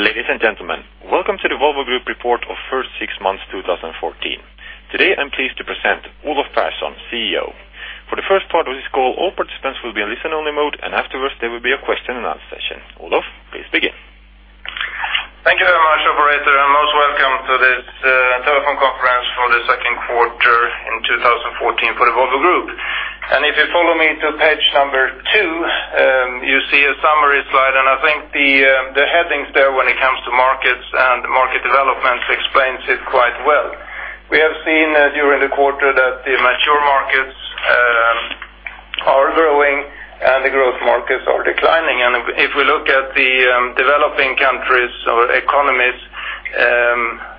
Ladies and gentlemen, welcome to the Volvo Group report of first six months 2014. Today, I am pleased to present Olof Persson, CEO. For the first part of this call, all participants will be in listen only mode, and afterwards there will be a question and answer session. Olof, please begin. Thank you very much, operator. Most welcome to this telephone conference for the second quarter in 2014 for the Volvo Group. If you follow me to page number two, you see a summary slide. I think the headings there when it comes to markets and market developments explains it quite well. We have seen during the quarter that the mature markets are growing and the growth markets are declining. If we look at the developing countries or economies,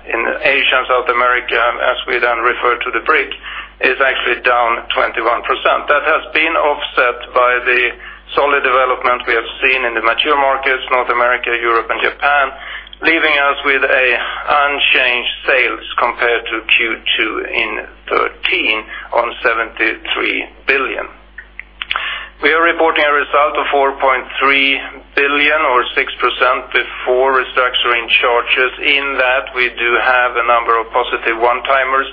in Asia and South America, as we then refer to the BRIC, is actually down 21%. That has been offset by the solid development we have seen in the mature markets, North America, Europe, and Japan, leaving us with unchanged sales compared to Q2 in 2013 on 73 billion. We are reporting a result of 4.3 billion or 6% before restructuring charges. In that, we do have a number of positive one-timers.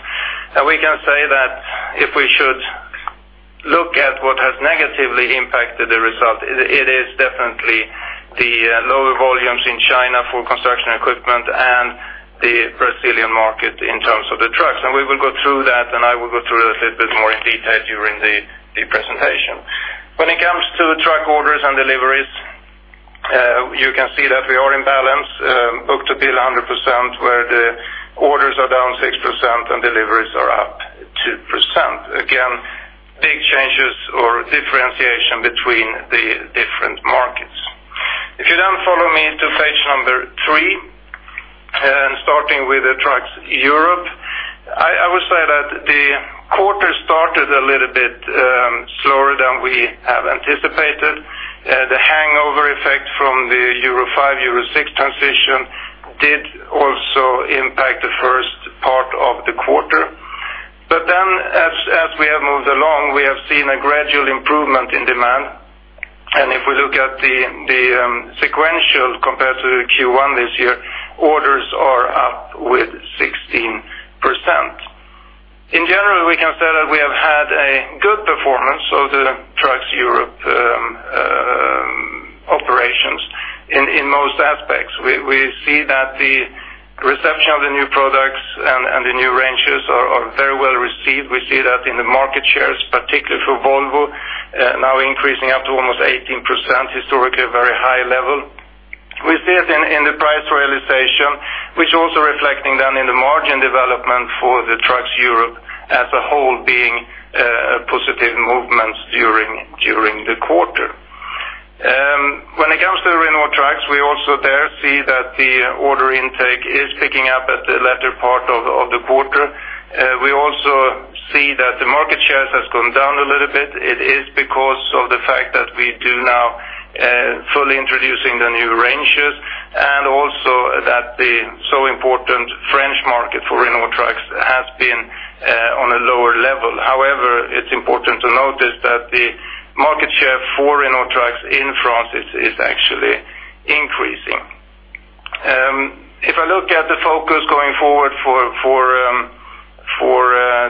We can say that if we should look at what has negatively impacted the result, it is definitely the lower volumes in China for construction equipment and the Brazilian market in terms of the trucks. We will go through that, and I will go through it a little bit more in detail during the presentation. When it comes to truck orders and deliveries, you can see that we are in balance, book to bill 100%, where the orders are down 6% and deliveries are up 2%. Again, big changes or differentiation between the different markets. If you then follow me to page number three. Starting with the Trucks Europe, I would say that the quarter started a little bit slower than we have anticipated. The hangover effect from the Euro 5, Euro 6 transition did also impact the first part of the quarter. As we have moved along, we have seen a gradual improvement in demand. If we look at the sequential compared to Q1 this year, orders are up with 16%. In general, we can say that we have had a good performance of the Trucks Europe operations in most aspects. We see that the reception of the new products and the new ranges are very well received. We see that in the market shares, particularly for Volvo, now increasing up to almost 18%, historically a very high level. We see it in the price realization, which also reflecting then in the margin development for the Trucks Europe as a whole being positive movements during the quarter. When it comes to Renault Trucks, we also there see that the order intake is picking up at the latter part of the quarter. We also see that the market shares has gone down a little bit. It is because of the fact that we do now fully introducing the new ranges, and also that the so important French market for Renault Trucks has been on a lower level. However, it's important to notice that the market share for Renault Trucks in France is actually increasing. If I look at the focus going forward for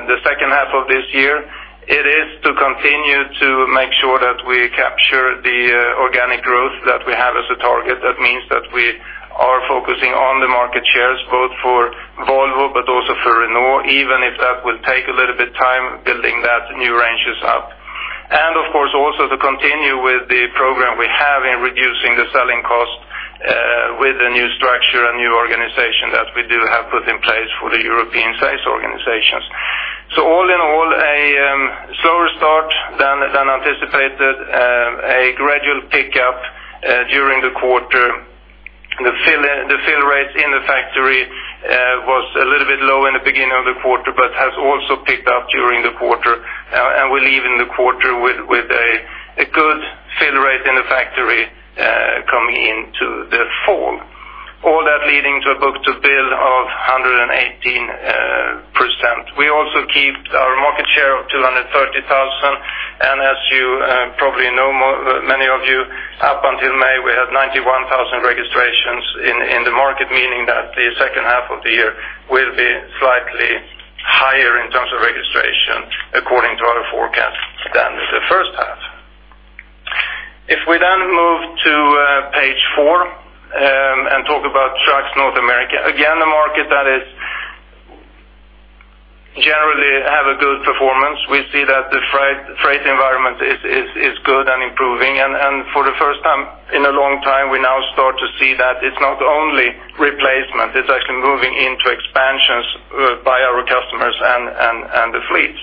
the second half of this year, it is to continue to make sure that we capture the organic growth that we have as a target. That means that we are focusing on the market shares, both for Volvo but also for Renault, even if that will take a little bit time building that new ranges up. Of course, also to continue with the program we have in reducing the selling cost with the new structure and new organization that we do have put in place for the European sales organizations. All in all, a slower start than anticipated, a gradual pickup during the quarter. The fill rates in the factory was a little bit low in the beginning of the quarter, but has also picked up during the quarter. We leave in the quarter with a good fill rate in the factory coming into the fall. All that leading to a book to bill of 118%. We also keep our market share of 230,000. As you probably know, many of you, up until May, we had 91,000 registrations in the market, meaning that the second half of the year will be slightly higher in terms of registration according to our forecast than the first half. If we then move to page four, talk about Trucks North America. Again, a market that is generally have a good performance. We see that the freight environment is good and improving. For the first time in a long time, we now start to see that it's not only replacement, it's actually moving into expansions by our customers and the fleets.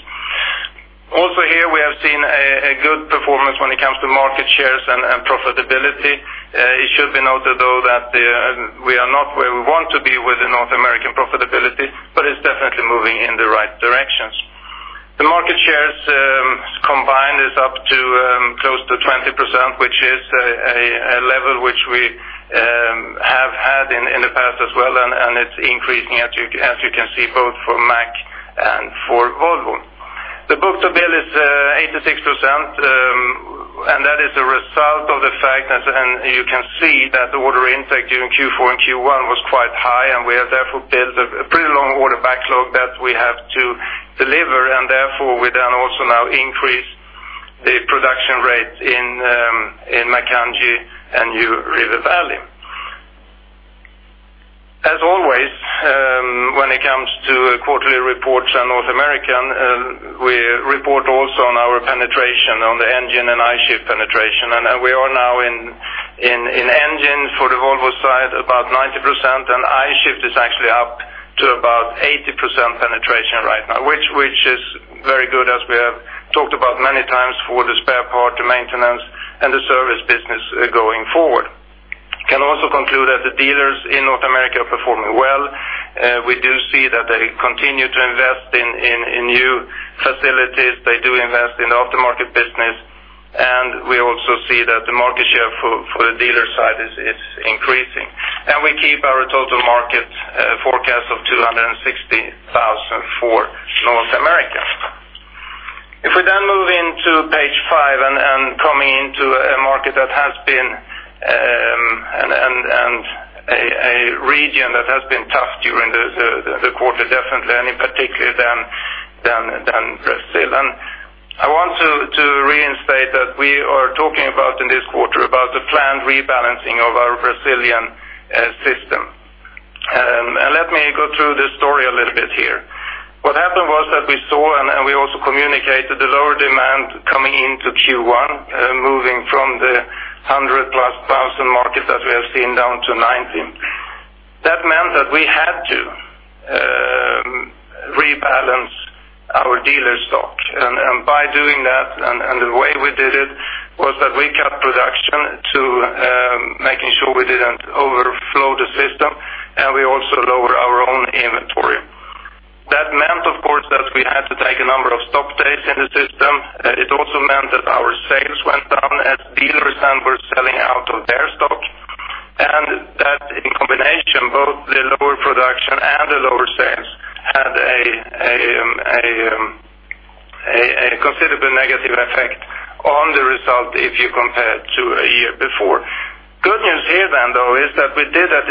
Also here, we have seen a good performance when it comes to market shares and profitability. It should be noted, though, that we are not where we want to be with the North American profitability, but it's definitely moving in the right directions. The market shares combined is up to close to 20%, which is a level which we have had in the past as well. That is a result of the fact, you can see that the order intake during Q4 and Q1 was quite high, we have therefore built a pretty long order backlog that we have to deliver, therefore we then also now increase the production rate in Macungie and New River Valley. As always, when it comes to quarterly reports on North America, we report also on our penetration on the engine and I-Shift penetration. We are now in engine for the Volvo side, about 90%, and I-Shift is actually up to about 80% penetration right now, which is very good as we have talked about many times for the spare part, the maintenance, and the service business going forward. Can also conclude that the dealers in North America are performing well. We do see that they continue to invest in new facilities. They do invest in aftermarket business. We also see that the market share for the dealer side is increasing. We keep our total market forecast of 260,000 for North America. If we then move into page five and coming into a market that has been, and a region that has been tough during the quarter, definitely, and in particular then Brazil. I want to reinstate that we are talking about in this quarter about the planned rebalancing of our Brazilian system. Let me go through this story a little bit here. What happened was that we saw, and we also communicated the lower demand coming into Q1, moving from the 100-plus thousand market that we have seen down to 90. That meant that we had to rebalance our dealer stock. By doing that, and the way we did it was that we cut production to making sure we didn't overflow the system, and we also lowered our own inventory. That meant, of course, that we had to take a number of stock days in the system. It also meant that our sales went down as dealers then were selling out of their stock. That in combination, both the lower production and the lower sales had a considerable negative effect on the result if you compare to a year before. Good news here then, though, is that we did that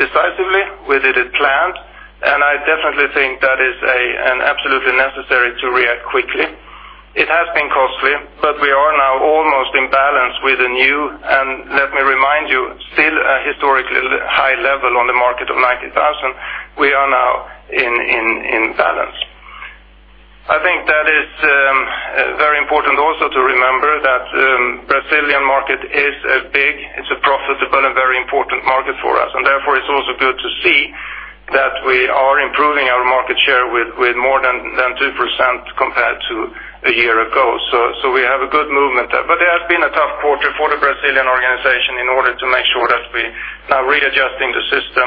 decisively. We did it planned, and I definitely think that is absolutely necessary to react quickly. It has been costly, but we are now almost in balance with the new, and let me remind you, still a historically high level on the market of 90,000. We are now in balance. I think that is very important also to remember that Brazilian market is a big, it's a profitable and very important market for us, and therefore it's also good to see that we are improving our market share with more than 2% compared to a year ago. We have a good movement there, but it has been a tough quarter for the Brazilian organization in order to make sure that we now readjusting the system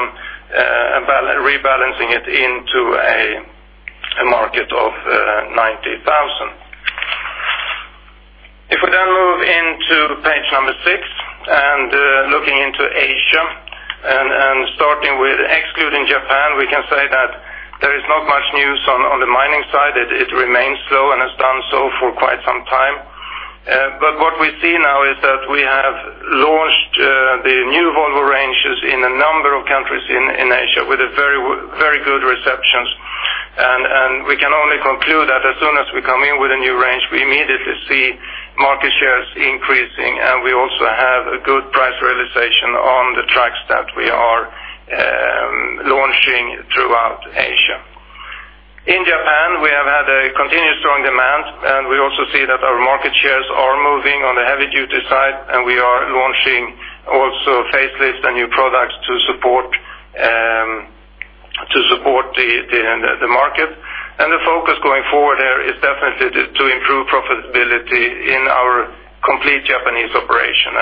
and rebalancing it into a market of 90,000. If we then move into page number six and looking into Asia and starting with excluding Japan, we can say that there is not much news on the mining side. It remains slow and has done so for quite some time. What we see now is that we have launched the new Volvo ranges in a number of countries in Asia with a very good receptions. We can only conclude that as soon as we come in with a new range, we immediately see market shares increasing, and we also have a good price realization on the trucks that we are launching throughout Asia. In Japan, we have had a continuous strong demand, and we also see that our market shares are moving on the heavy-duty side, and we are launching also facelift and new products to support the market. The focus going forward there is definitely to improve profitability in our complete Japanese operation.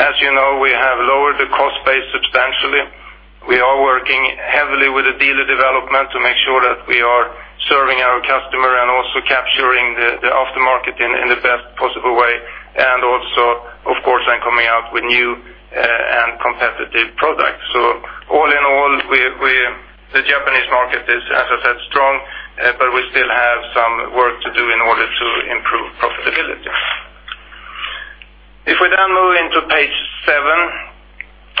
As you know, we have lowered the cost base substantially. We are working heavily with the dealer development to make sure that we are serving our customer and also capturing the aftermarket in the best possible way, and also, of course, then coming out with new and competitive products. All in all, the Japanese market is, as I said, strong, but we still have some work to do in order to improve profitability. If we then move into page seven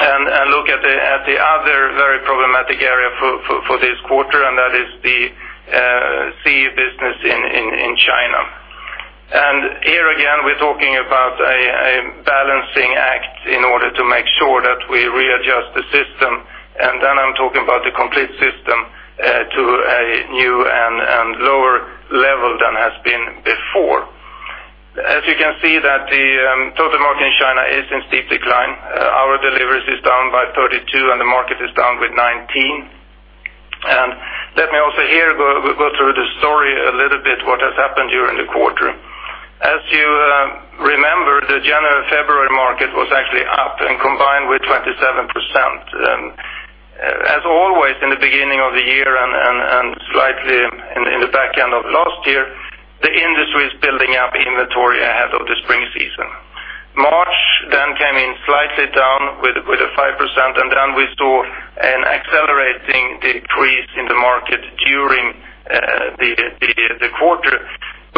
and look at the other very problematic area for this quarter, that is the CE business in China. Here again, we are talking about a balancing act in order to make sure that we readjust the system, then I am talking about the complete system to a new and lower level than has been before. As you can see that the total market in China is in steep decline. Our deliveries is down by 32, and the market is down with 19. Let me also here go through the story a little bit, what has happened during the quarter. As you remember, the January, February market was actually up and combined with 27%. As always, in the beginning of the year and slightly in the back end of last year, the industry is building up inventory ahead of the spring season. March then came in slightly down with a 5%, then we saw The quarter,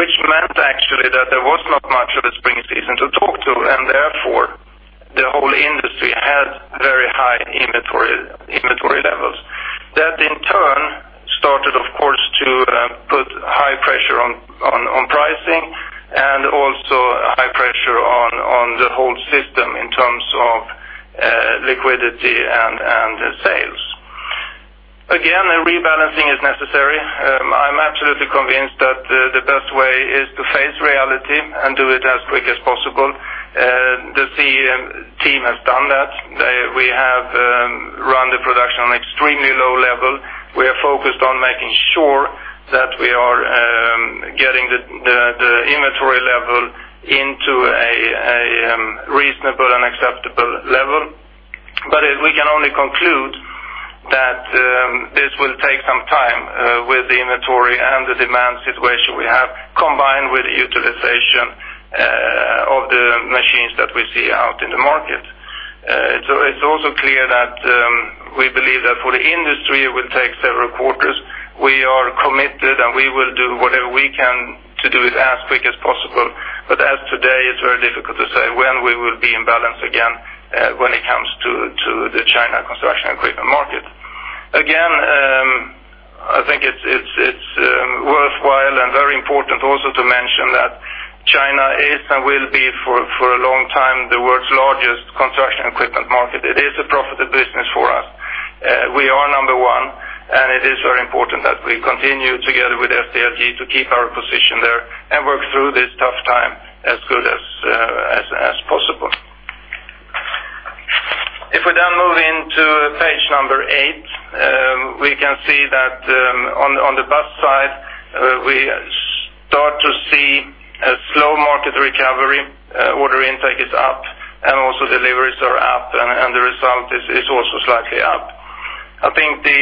which meant actually that there was not much of a spring season to talk to, therefore, the whole industry had very high inventory levels. That in turn started, of course, to put high pressure on pricing and also high pressure on the whole system in terms of liquidity and sales. Again, a rebalancing is necessary. I am absolutely convinced that the best way is to face reality and do it as quick as possible. The team has done that. We have run the production on extremely low level. We are focused on making sure that we are getting the inventory level into a reasonable and acceptable level. We can only conclude that this will take some time with the inventory and the demand situation we have, combined with utilization of the machines that we see out in the market. It is also clear that we believe that for the industry, it will take several quarters. We are committed, and we will do whatever we can to do it as quick as possible. As today, it is very difficult to say when we will be in balance again when it comes to the China construction equipment market. Again, I think it is worthwhile and very important also to mention that China is and will be for a long time, the world's largest construction equipment market. It is a profitable business for us. We are number one, and it is very important that we continue together with SDLG to keep our position there and work through this tough time as good as possible. If we then move into page number eight, we can see that on the bus side, we start to see a slow market recovery, order intake is up, and also deliveries are up, and the result is also slightly up. I think from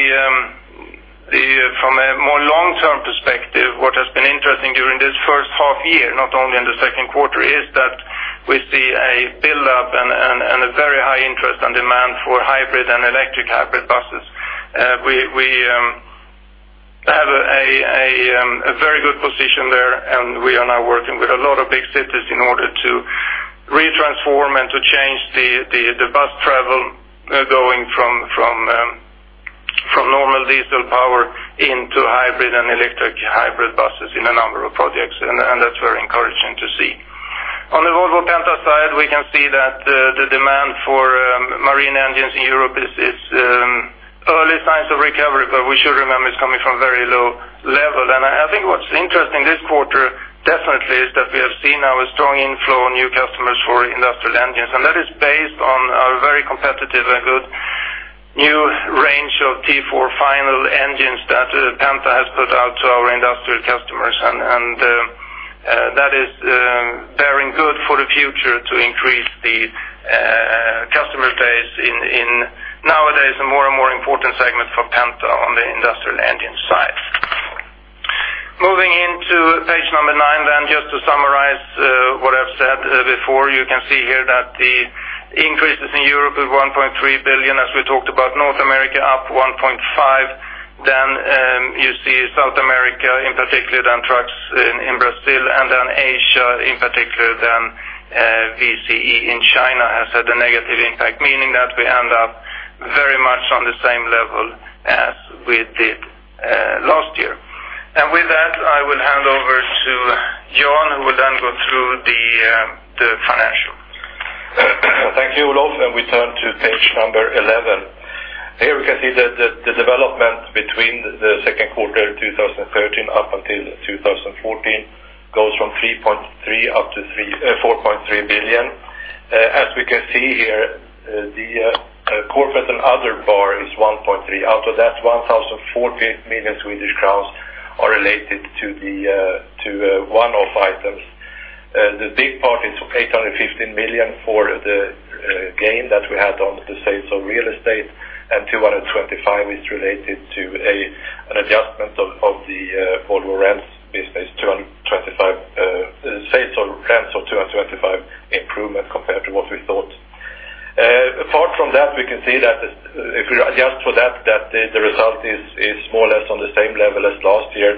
a more long-term perspective, what has been interesting during this first half year, not only in the second quarter, is that we see a buildup and a very high interest and demand for hybrid and electric hybrid buses. We have a very good position there. We are now working with a lot of big cities in order to retransform and to change the bus travel going from normal diesel power into hybrid and electric hybrid buses in a number of projects. That's very encouraging to see. On the Volvo Penta side, we can see that the demand for marine engines in Europe is early signs of recovery, but we should remember it's coming from a very low level. I think what's interesting this quarter definitely is that we have seen now a strong inflow of new customers for industrial engines, and that is based on a very competitive and good new range of Tier 4 Final engines that Penta has put out to our industrial customers. That is very good for the future to increase the customer base in nowadays, a more and more important segment for Penta on the industrial engine side. Moving into page number nine, just to summarize what I've said before, you can see here that the increases in Europe is 1.3 billion, as we talked about, North America up 1.5. You see South America, in particular, trucks in Brazil, and Asia, in particular, VCE in China has had a negative impact, meaning that we end up very much on the same level as we did last year. With that, I will hand over to Jan, who will go through the financial. Thank you, Olof. We turn to page number 11. Here we can see the development between the second quarter 2013 up until 2014 goes from 3.3 billion up to 4.3 billion. As we can see here, the corporate and other bar is 1.3. Out of that, 1,040 million Swedish crowns are related to one-off items. The big part is 815 million for the gain that we had on the sales of real estate, and 225 is related to an adjustment of the Volvo Rents business, Rents of 225 improvement compared to what we thought. Apart from that, we can see that if we adjust for that the result is more or less on the same level as last year.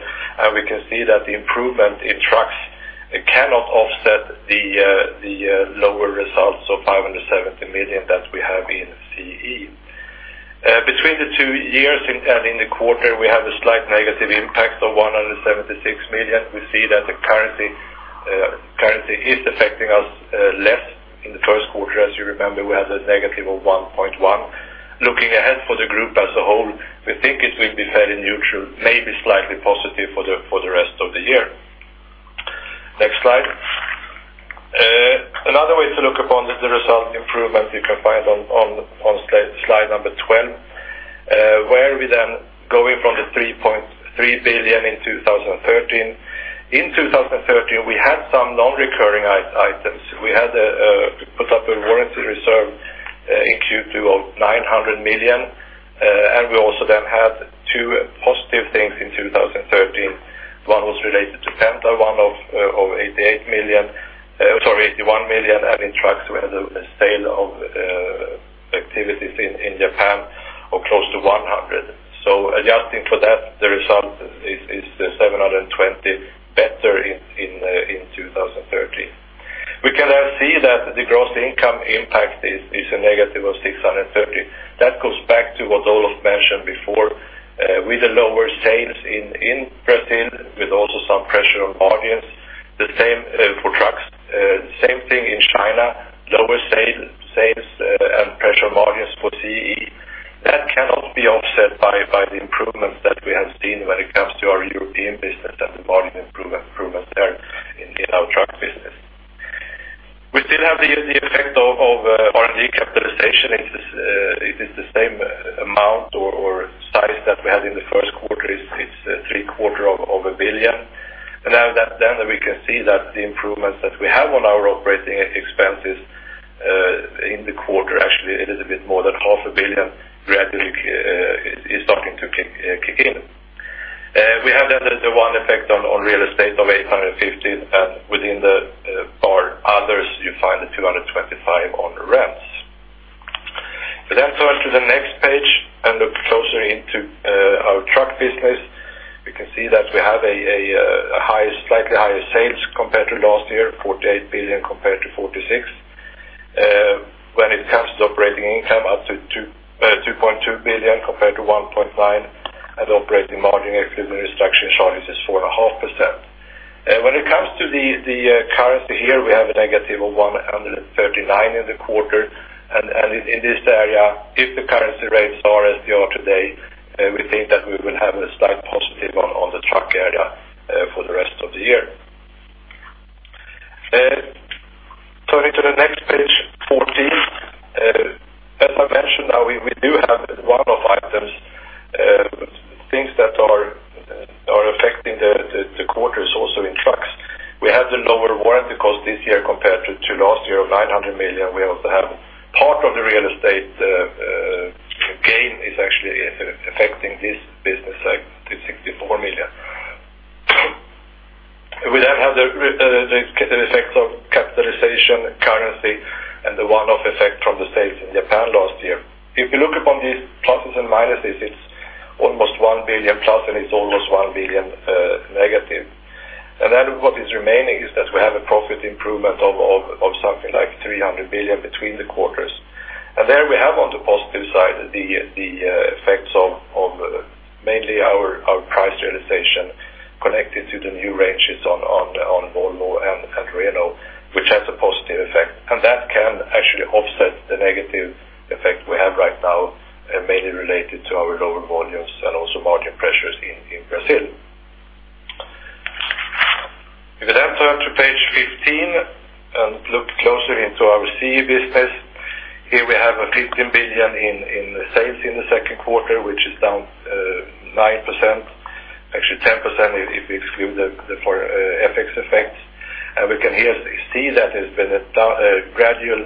We can see that the improvement in trucks cannot offset the lower results of 570 million that we have in CE. Between the two years and in the quarter, we have a slight negative impact of 176 million. We see that the currency is affecting us less in the first quarter. As you remember, we had a negative of 1.1. Looking ahead for the group as a whole, we think it will be fairly neutral, maybe slightly positive for the rest of the year. Next slide. Another way to look upon the result improvement you can find on slide number 12, where we going from the 3.3 billion in 2013. In 2013, we had some non-recurring items. We had put up a warranty reserve in Q2 of 900 million. We also had two positive things in 2013. One was related to 88 million, sorry, 81 million, adding trucks. We had a sale of activities in Japan of close to 100. Adjusting for that, the result is 720, better in 2013. We can now see that the gross income impact is a negative of 630. That goes back to what Olof mentioned before. With the lower sales in Brazil, with also some pressure on margins, the same for trucks. Same thing in China, lower sales and pressure margins for CE. That cannot be offset by the improvements that we have seen when it comes to our European business and the margin improvements there in our truck business. We still have the effect of R&D capitalization. It is the same amount or size that we had in the first quarter. It is three-quarter of a billion. We can see that the improvements that we have on our operating expenses in the quarter, actually a little bit more than half a billion gradually is starting to kick in. We have the one effect on real estate of 815 million, and within our others, you find the 225 on rents. We turn to the next page and look closer into our truck business. We can see that we have a slightly higher sales compared to last year, 48 billion compared to 46 billion. When it comes to operating income, up to 2.2 billion compared to 1.5 billion, and operating margin, if we structure insurance, is 4.5%. When it comes to the currency here, we have a negative of 139 in the quarter, and in this area, if the currency rates are as they are today, we think that we will have a slight positive on the truck area for the rest of the year. Turning to the next page 14. As I mentioned, we do have one-off items, things that are affecting the quarters also in trucks. We have the lower warranty cost this year compared to last year of 900 million. We also have part of the real estate gain is actually affecting this business segment, the 64 million. We have the effect of capitalization, currency, and the one-off effect from the sales in Japan last year. If you look upon these pluses and minuses, it is almost 1 billion plus, and it is almost 1 billion negative. What is remaining is that we have a profit improvement of something like 300 billion between the quarters. There we have on the positive side, the effects of mainly our price realization connected to the new ranges on Volvo and Renault, which has a positive effect. That can actually offset the negative effect we have right now, mainly related to our lower volumes and also margin pressures in Brazil. We turn to page 15 and look closer into our CE business. Here we have 15 billion in sales in the second quarter, which is down 9%, actually 10% if we exclude the FX effects. We can here see that there has been a gradual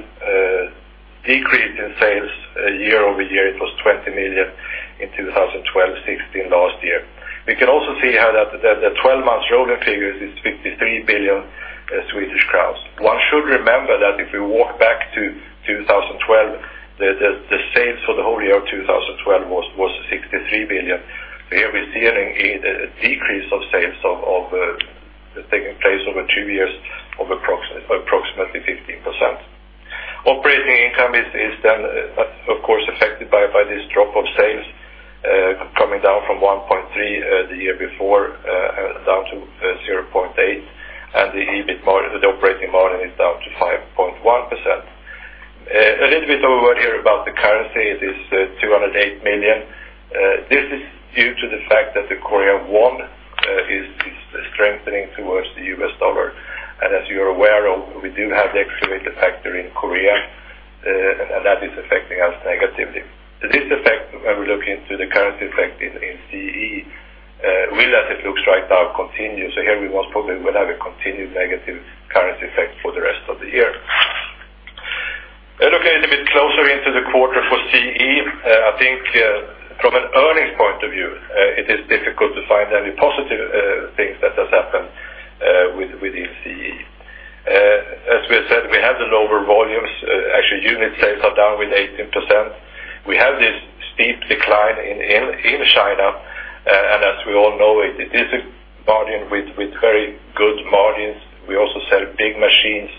decrease in sales year-over-year. It was 20 million in 2012, 16 million last year. We can also see how that the 12 months rolling figure is 53 billion Swedish crowns. One should remember that if we walk back to 2012, the sales for the whole year of 2012 was 63 billion. Here we are seeing a decrease of sales taking place over two years of approximately 15%. Operating income is, of course, affected by this drop of sales, coming down from 1.3 billion the year before down to 0.8 billion, and the operating margin is down to 5.1%. A little bit of a word here about the currency, it is 208 million. This is due to the fact that the KRW is strengthening towards the USD. As you're aware, we do have the excavator factor in Korea, and that is affecting us negatively. This effect, when we look into the currency effect in CE, will, as it looks right now, continue. Here we most probably will have a continued negative currency effect for the rest of the year. Looking a little bit closer into the quarter for CE, I think from an earnings point of view, it is difficult to find any positive things that has happened within CE. As we have said, we have the lower volumes. Actually, unit sales are down with 18%. We have this steep decline in China, as we all know, it is a bargain with very good margins. We also sell big machines,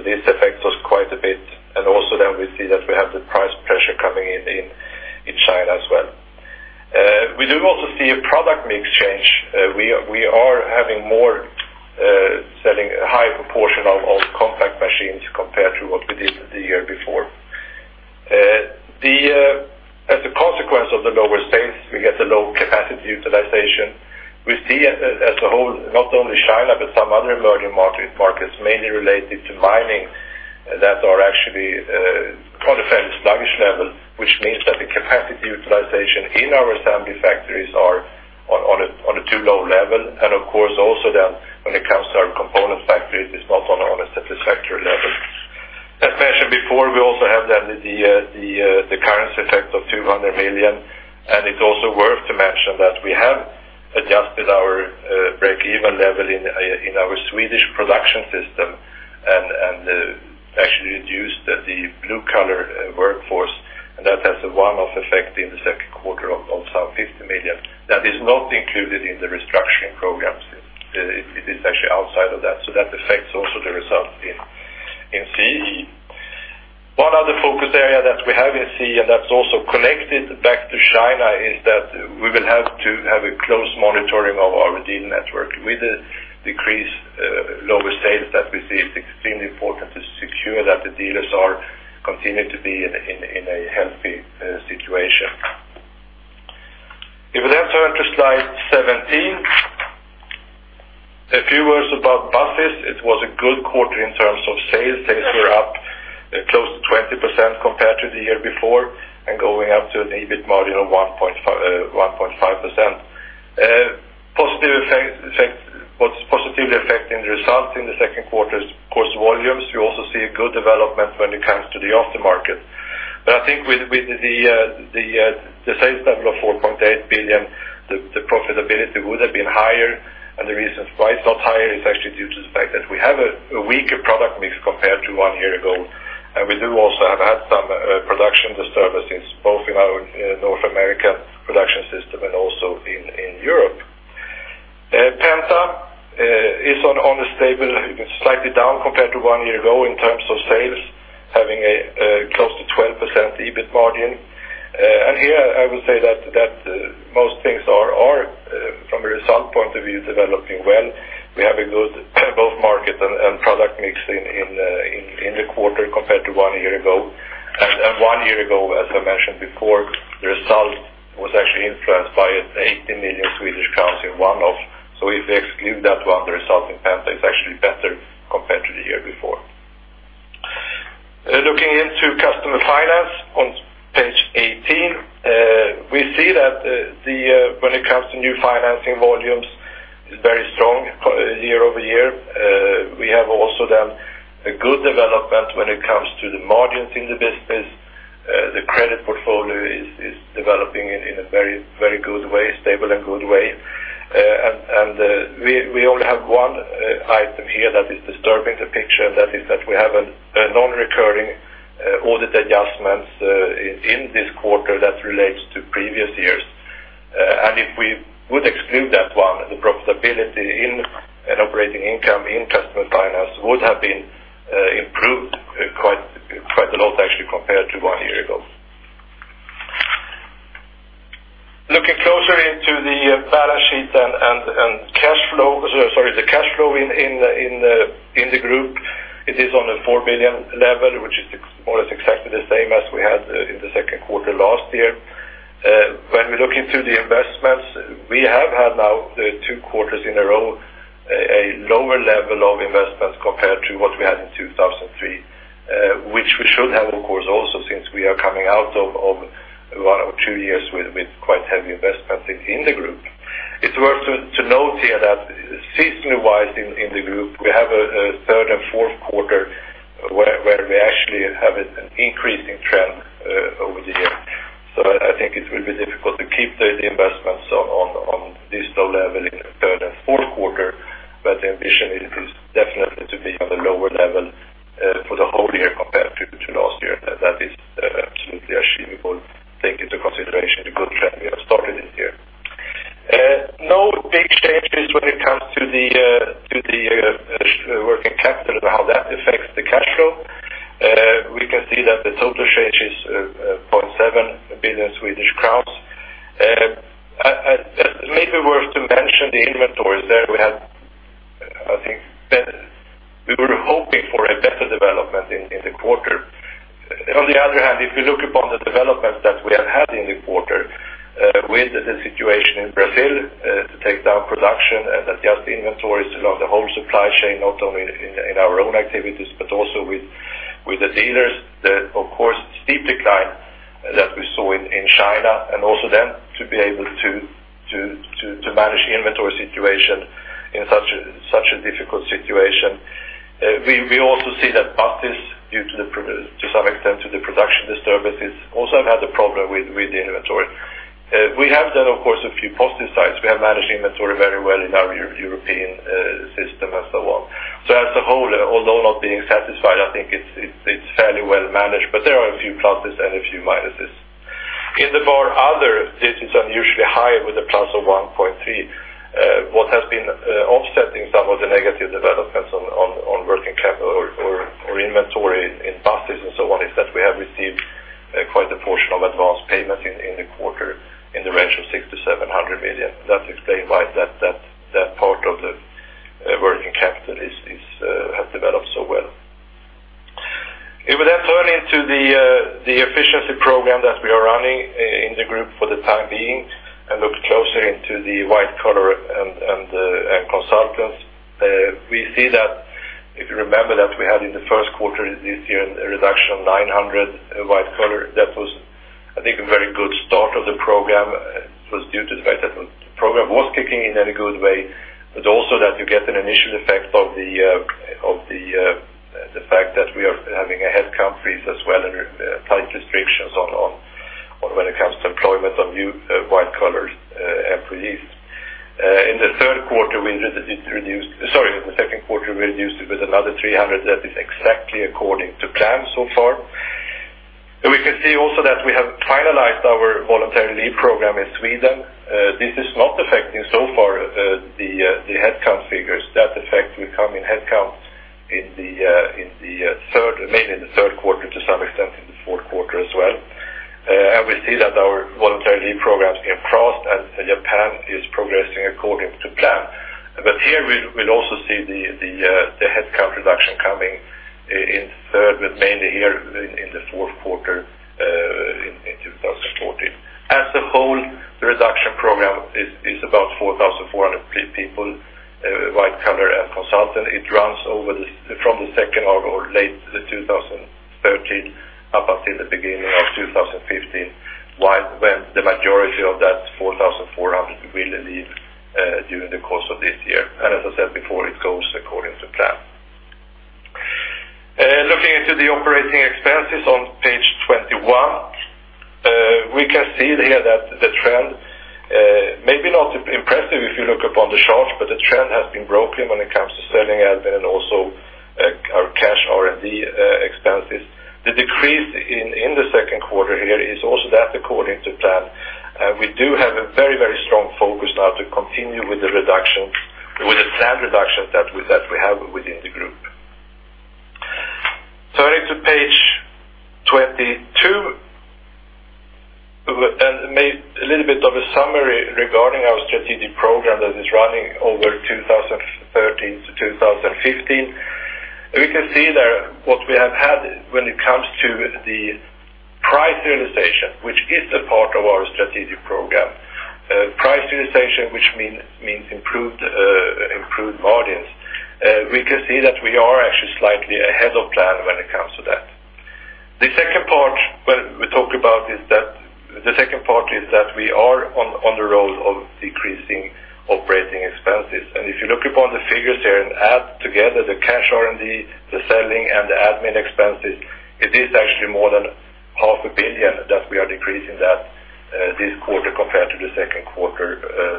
this affects us quite a bit. Also we see that we have the price pressure coming in China as well. We do also see a product mix change. We are having more selling a higher proportion of compact machines compared to what we did the year before. As a consequence of the lower sales, we get a low capacity utilization. We see as a whole, not only China, but some other emerging markets mainly related to mining that are actually quite a fairly sluggish level, which means that the capacity utilization in our assembly factories are on a too low level. Of course, also when it comes to our component factories, it's not on a satisfactory level. Before we also have the currency effect of 200 million, it's also worth to mention that we have adjusted our break-even level in our Swedish production system, and actually reduced the blue-collar workforce, and that has a one-off effect in the second quarter of some 50 million. That is not included in the restructuring programs. It is actually outside of that affects also the result in CE. One other focus area that we have in CE, that's also connected back to China, is that we will have to have a close monitoring of our dealer network. With the decreased lower sales that we see, it's extremely important to secure that the dealers continue to be in a healthy situation. If we turn to slide 17, a few words about buses. It was a good quarter in terms of sales. Sales were up close to 20% compared to the year before, going up to an EBIT margin of 1.5%. Positively affecting the results in the second quarter is of course volumes. We also see a good development when it comes to the aftermarket. I think with the sales level of 4.8 billion, the profitability would have been higher, the reasons why it's not higher is actually due to the fact that we have a weaker product mix compared to one year ago, we do also have had some production disturbances, both in our North American production system and also in Europe. Penta is on a stable, slightly down compared to one year ago in terms of sales, having a close to 12% EBIT margin. Here I will say that most things are, from a result point of view, developing well. We have a good both market and product mix in the quarter compared to one year ago. One year ago, as I mentioned before, the result was actually influenced by an 18 million Swedish crowns in one-off. If we exclude that one, the result in Penta is actually better compared to the year before. Looking into customer finance on page 18, we see that when it comes to new financing volumes, it is very strong year-over-year. We have also then a good development when it comes to the margins in the business. The credit portfolio is developing in a very good way, stable and good way. We only have one item here that is disturbing the picture, and that is that we have a non-recurring audit adjustments in this quarter that relates to previous years. If we would exclude that one, the profitability in operating income in customer finance would have been improved quite a lot actually compared to one year ago. Looking closer into the balance sheet and cash flow in the group, it is on a 4 million level, which is more or less exactly the same as we had in the second quarter last year. When we look into the investments, we have had now two quarters in a row, a lower level of investments compared to what we had in 2003, which we should have, of course, also, since we are coming out of one or two years with quite heavy investments in the group. It's worth to note here that seasonally-wise in the group, we have a third and fourth quarter where we actually have an increasing trend over the year. I think it will be difficult to keep the investments on this low level in the third and fourth quarter, but the ambition is definitely to be on a lower level for the whole year compared to last year. That is absolutely achievable, taking into consideration the good trend we have started in here. No big changes when it comes to the working capital and how that affects the cash flow. We can see that the total change is 0.7 billion Swedish crowns. Maybe worth to mention the inventories. There we had, I think. We were hoping for a better development in the quarter. On the other hand, if we look upon the development that we have had in the quarter with the situation in Brazil to take down production and adjust inventories along the whole supply chain, not only in our own activities, but also with the dealers, of course, steep decline that we saw in China, and also then to be able to manage the inventory situation in such a difficult situation. We also see that buses, due to some extent to the production disturbances, also have had a problem with the inventory. We have then, of course, a few positive sides. We have managed inventory very well in our European system and so on. As a whole, although not being satisfied, I think it's fairly well managed, but there are a few pluses and a few minuses. In the bar other, this is unusually high with a plus of 1.3. What has been offsetting some of the negative developments on working capital or inventory in buses and so on is that we have received quite a portion of advanced payment in the quarter in the range of 6,700 million. That explains why that part of the working capital has developed so well. If we turn into the efficiency program that we are running in the group for the time being and look closer into the white collar and consultants, we see that if you remember that we had in the first quarter this year a reduction of 900 white collar, that was I think a very good start of the program was due to the fact that the program was kicking in in a good way, but also that you get an initial effect of the fact that we are having a headcount freeze as well, and tight restrictions on when it comes to employment of new white-collar employees. In the second quarter, we reduced it with another 300. That is exactly according to plan so far. We can see also that we have finalized our voluntary leave program in Sweden. This is not affecting so far the headcount figures. That effect will come in headcount mainly in the third quarter, to some extent in the fourth quarter as well. We see that our voluntary leave programs in France and Japan is progressing according to plan. Here we'll also see the headcount reduction coming in third, but mainly here in the fourth quarter in 2014. As a whole, the reduction program is about 4,400 people, white collar and consultant. It runs over from the second half or late 2013 up until the beginning of 2015, when the majority of that 4,400 will leave during the course of this year. As I said before, it goes according to plan. Looking into the operating expenses on page 21. We can see here that the trend, maybe not impressive if you look upon the charts, but the trend has been broken when it comes to selling and also our cash R&D expenses. The decrease in the second quarter here is also that according to plan. We do have a very strong focus now to continue with the planned reduction that we have within the group. Turning to page 22, maybe a little bit of a summary regarding our strategic program that is running over 2013 to 2015. We can see there what we have had when it comes to the price realization, which is a part of our strategic program. Price realization, which means improved margins. We can see that we are actually slightly ahead of plan when it comes to that. The second part is that we are on the road of decreasing operating expenses. If you look upon the figures here and add together the cash R&D, the selling, and the admin expenses, it is actually more than SEK half a billion that we are decreasing that this quarter compared to the second quarter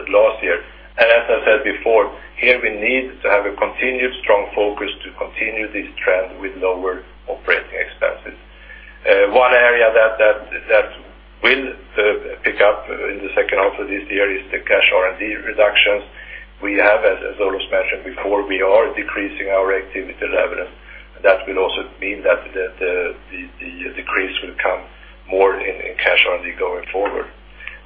last year. As I said before, here we need to have a continued strong focus to continue this trend with lower operating expenses. One area that will pick up in the second half of this year is the cash R&D reductions. We have, as Olof mentioned before, we are decreasing our activities level, and that will also mean that the decrease will come more in cash R&D going forward.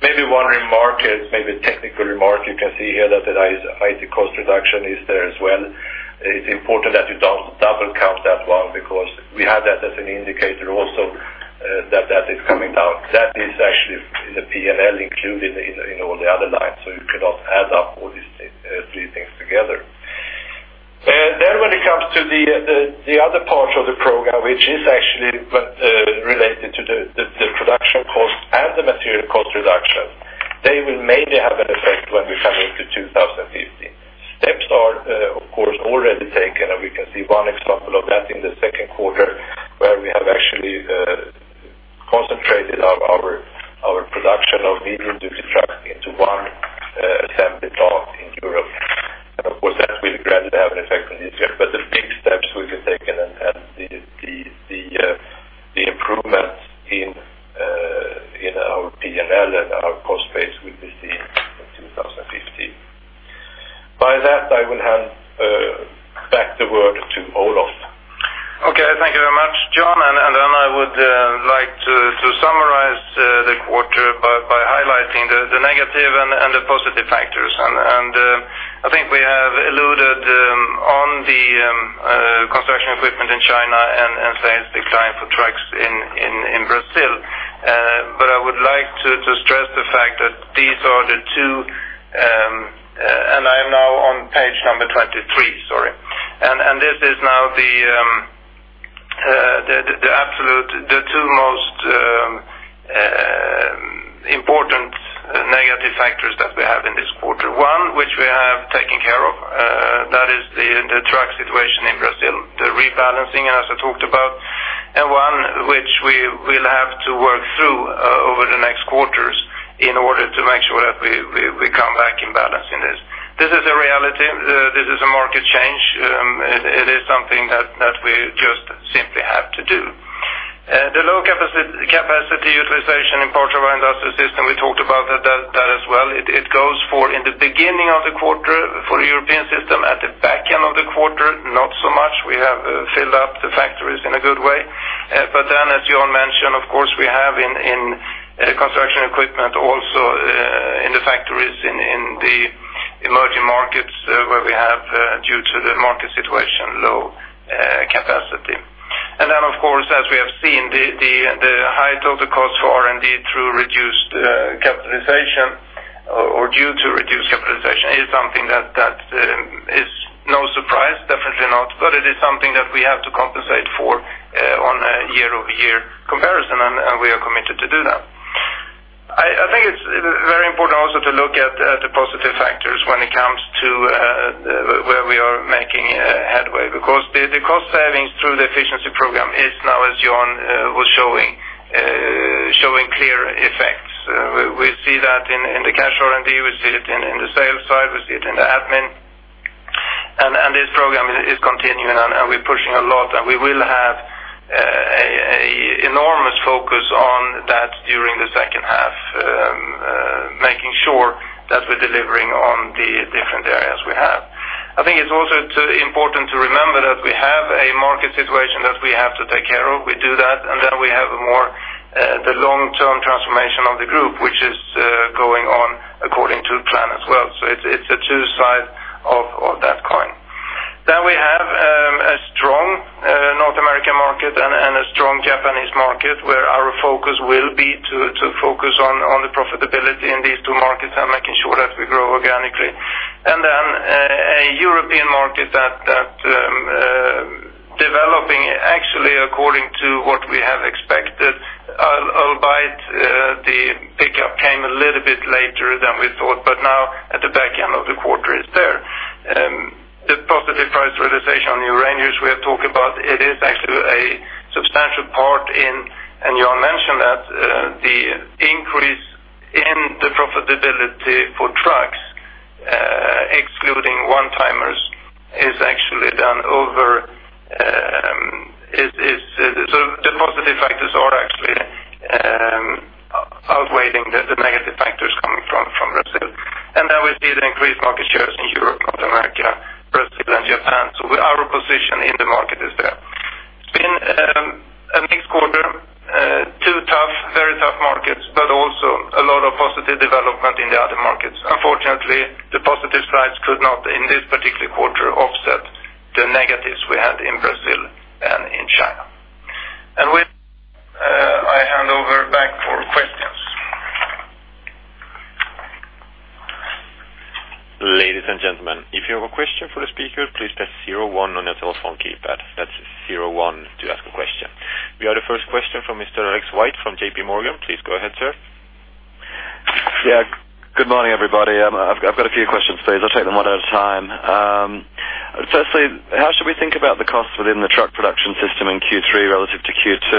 Maybe one remark, maybe a technical remark, you can see here that the IT cost reduction is there as well. It's important that you don't double count that one because we have that as an indicator also that is coming down. That is actually in the P&L included in all the other lines, so you cannot add up all these three things together. When it comes to the other parts of the program, which is actually related to the production cost and the material cost reduction, they will mainly have an effect when we come into 2015. Steps are, of course, already taken, and we can see one example of that in the second quarter, where we have actually concentrated our production of medium-duty trucks into one assembly plant in Europe. Of course, that will gradually have an effect on these steps. The big steps we have taken and the improvements in our P&L and our cost base will be seen in 2015. By that, I will hand back the word to Olof. Okay, thank you very much, Jan. Then I would like to summarize the quarter by highlighting the negative and the positive factors. I think we have alluded on the construction equipment in China and sales decline for trucks in Brazil. I would like to stress the fact that this is now the two most important negative factors that we have in this quarter. One, which we have taken care of, that is the truck situation in Brazil, the rebalancing, as I talked about. One which we will have to work through over the next quarters in order to make sure that we come back in balance in this. This is a reality. This is a market change. It is something that we just simply have to do. The low capacity utilization in parts of our industrial system, we talked about that as well. It goes for in the beginning of the quarter for the European system, at the back end of the quarter, not so much. We have filled up the factories in a good way. Then, as Jan mentioned, of course, we have in construction equipment also in the factories in the emerging markets, where we have, due to the market situation, low capacity. Then, of course, as we have seen, the height of the cost for R&D through reduced capitalization or due to reduced capitalization, [and it's something that it's no surprise, based on output, it's something that we have to] compensate for on a year-over-year comparison, and we are committed to do that. I think it's very important also to look at the positive factors when it comes to where we are making headway, because the cost savings through the efficiency program is now, as Jan was showing clear effects. We see that in the cash R&D. We see it in the sales side, we see it in the admin. This program is continuing, and we're pushing a lot, and we will have enormous focus on that during the second half, making sure that we're delivering on the different areas we have. I think it's also important to remember that we have a market situation that we have to take care of. We do that, we have a more long-term transformation of the group, which is going on according to plan as well. It's two sides of that coin. We have a strong North American market and a strong Japanese market where our focus will be to focus on the profitability in these two markets and making sure that we grow organically. A European market that developing actually according to what we have expected, albeit the pickup came a little bit later than we thought. Now at the back end of the quarter is there. The positive price realization on new ranges we are talking about, it is actually a substantial part in, you all mentioned that the increase in the profitability for trucks, excluding one-timers, is actually done over. The positive factors are actually outweighing the negative factors coming from Brazil. We see the increased market shares in Europe, North America, Brazil, and Japan. Our position in the market is there. It's been a mixed quarter, two very tough markets, also a lot of positive development in the other markets. Unfortunately, the positive strides could not, in this particular quarter, offset the negatives we had in Brazil and in China. With that, I hand over back for questions. Ladies and gentlemen, if you have a question for the speaker, please press zero one on your telephone keypad. That's zero one to ask a question. We have the first question from Mr. Alex White from JP Morgan. Please go ahead, sir. Yeah. Good morning, everybody. I've got a few questions, please. I'll take them one at a time. Firstly, how should we think about the cost within the truck production system in Q3 relative to Q2?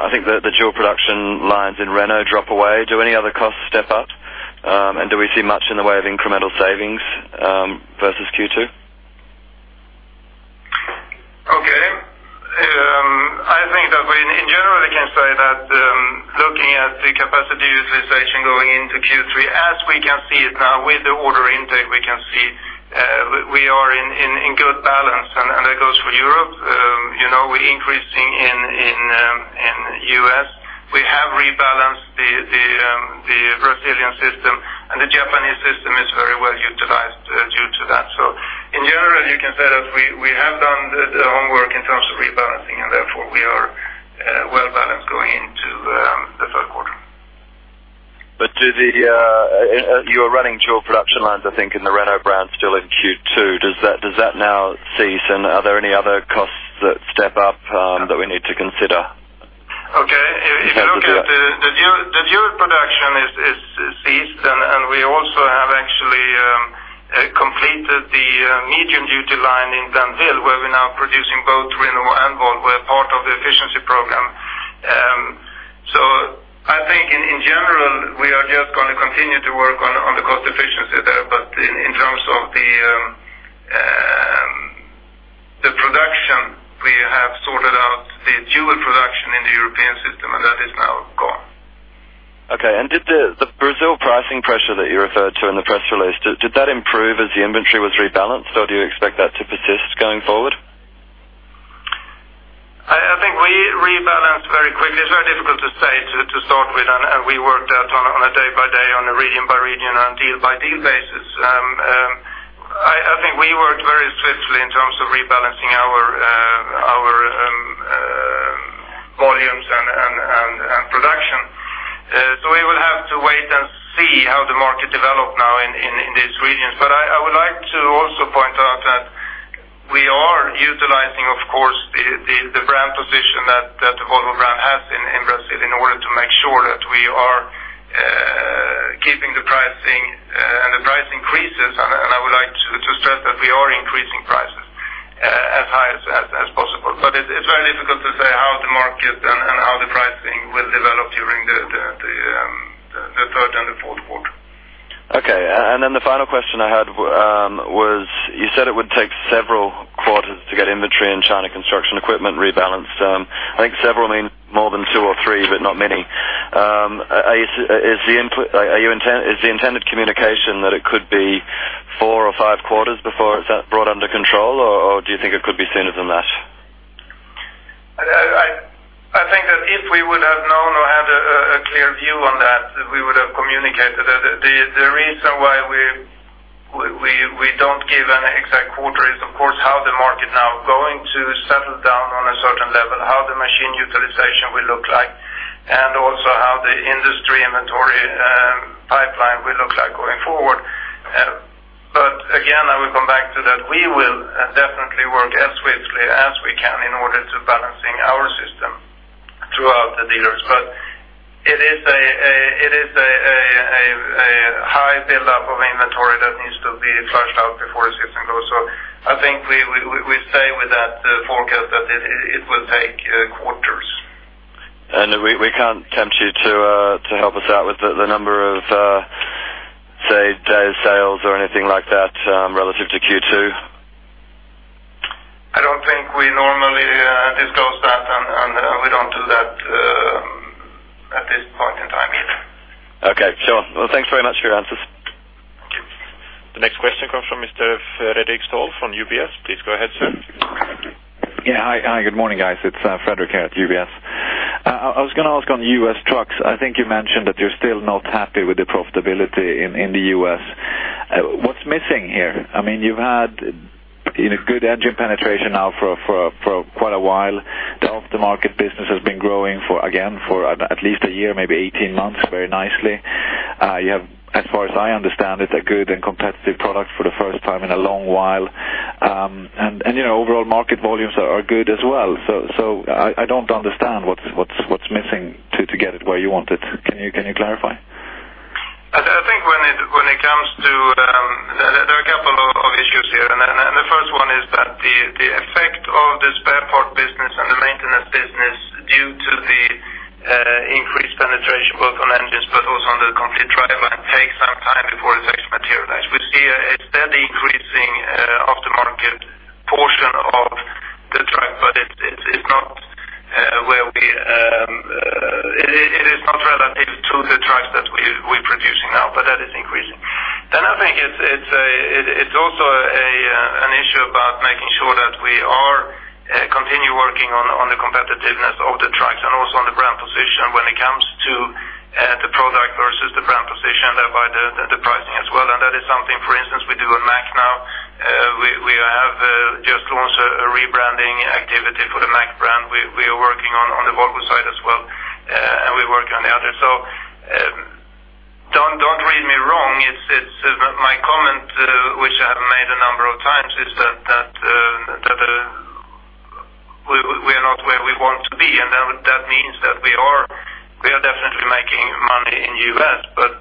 I think that the dual production lines in Renault drop away. Do any other costs step up? Do we see much in the way of incremental savings versus Q2? Okay. I think that we in general can say that, looking at the capacity utilization going into Q3, as we can see it now with the order intake, we can see we are in good balance. That goes for Europe. We're increasing in U.S. We have rebalanced the Brazilian system. The Japanese system is very well utilized due to that. In general, you can say that we have done the homework in terms of rebalancing, and therefore, we are well-balanced going into the third quarter. You are running dual production lines, I think, in the Renault brand still in Q2. Does that now cease? Are there any other costs that step up that we need to consider? Okay. If you look at the dual production is ceased. We also have actually completed the medium-duty line in Blainville, where we are now producing both Renault and Volvo as part of the efficiency program. I think in general, we are just going to continue to work on the cost efficiency there. In terms of the production, we have sorted out the dual production in the European system, and that is now gone. Did the Brazil pricing pressure that you referred to in the press release, did that improve as the inventory was rebalanced, or do you expect that to persist going forward? I think we rebalanced very quickly. It is very difficult to say to start with. We worked out on a day by day, on a region by region, on a deal by deal basis. I think we worked very swiftly in terms of rebalancing our volumes and production. We will have to wait and see how the market develop now in these regions. I would like to also point out that we are utilizing, of course, the brand position that the Volvo brand has in Brazil in order to make sure that we are keeping the pricing and the price increases. I would like to stress that we are increasing prices as high as possible. It is very difficult to say how the market and how the pricing will develop during the third and the fourth quarter. Okay. The final question I had was, you said it would take several quarters to get inventory in China construction equipment rebalanced. I think several means more than two or three, but not many. Is the intended communication that it could be four or five quarters before it is brought under control, or do you think it could be sooner than that? I think that if we would have known or had a clear view on that, we would have communicated. The reason why we don't give an exact quarter is, of course, how the market now going to settle down on a certain level, how the machine utilization will look like, and also how the industry inventory pipeline will look like going forward. Again, I will come back to that. We will definitely work as swiftly as we can in order to balancing our system throughout the dealers. It is a high buildup of inventory that needs to be flushed out before the system goes. I think we stay with that forecast that it will take quarters. We can't tempt you to help us out with the number of, say, day sales or anything like that relative to Q2? I don't think we normally disclose that, and we don't do that at this point in time either. Okay, sure. Thanks very much for your answers. The next question comes from Mr. Fredrik Stool from UBS. Please go ahead, sir. Yeah. Hi, good morning, guys. It's Fredrik here at UBS. I was going to ask on U.S. Trucks, I think you mentioned that you're still not happy with the profitability in the U.S. What's missing here? You've had good engine penetration now for quite a while. The aftermarket business has been growing, again, for at least a year, maybe 18 months, very nicely. You have, as far as I understand it, a good and competitive product for the first time in a long while. Overall market volumes are good as well. I don't understand what's missing to get it where you want it. Can you clarify? I think there are a couple of issues here, the first one is that the effect of the spare part business and the maintenance business, due to the increased penetration both on engines but also on the complete driveline, takes some time before it actually materializes. We see a steady increasing aftermarket portion of the truck, but it is not relative to the trucks that we're producing now, but that is increasing. I think it's also an issue about making sure that we are continue working on the competitiveness of the trucks and also on the brand position when it comes to the product versus the brand position, thereby the pricing as well. That is something, for instance, we do on Mack now. We have just launched a rebranding activity for the Mack brand. We are working on the Volvo side as well, we work on the other. Don't read me wrong. My comment, which I have made a number of times, is that we are not where we want to be, that means that we are definitely making money in U.S., but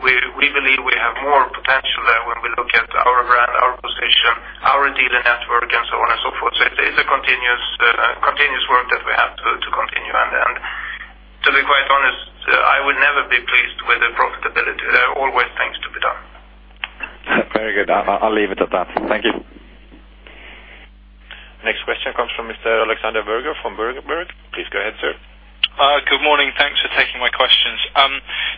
we believe we have more potential there when we look at our brand, our position, our dealer network, and so on and so forth. It is a continuous work that we have to continue. To be quite honest, I would never be pleased with the profitability. There are always things to be done. Very good. I'll leave it at that. Thank you. Next question comes from Mr. Alexander Berger from Berenberg. Please go ahead, sir. Good morning. Thanks for taking my questions.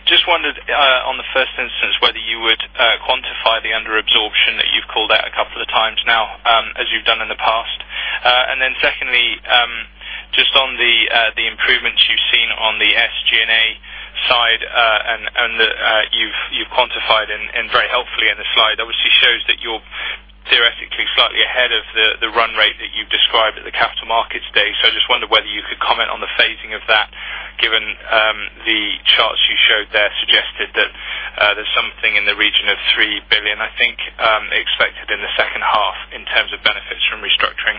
Just wondered, on the first instance, whether you would quantify the underabsorption that you've called out a couple of times now, as you've done in the past. Secondly, just on the improvements you've seen on the SG&A side, and that you've quantified and very helpfully in the slide, obviously shows that you're theoretically slightly ahead of the run rate that you've described at the Capital Markets Day. I just wonder whether you could comment on the phasing of that, given the charts you showed there suggested that there's something in the region of 3 billion, I think, expected in the second half in terms of benefits from restructuring.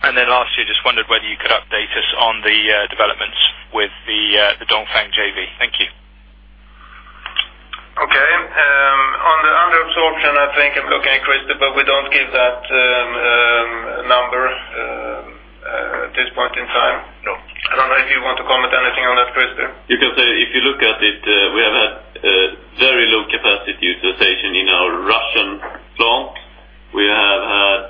Lastly, I just wondered whether you could update us on the developments with the Dongfeng JV. Thank you. Okay. On the underabsorption, I think I'm looking at Christer, we don't give that number at this point in time. No. I don't know if you want to comment anything on that, Christer. You can say, if you look at it, we have had very low capacity utilization in our Russian plant. We have had,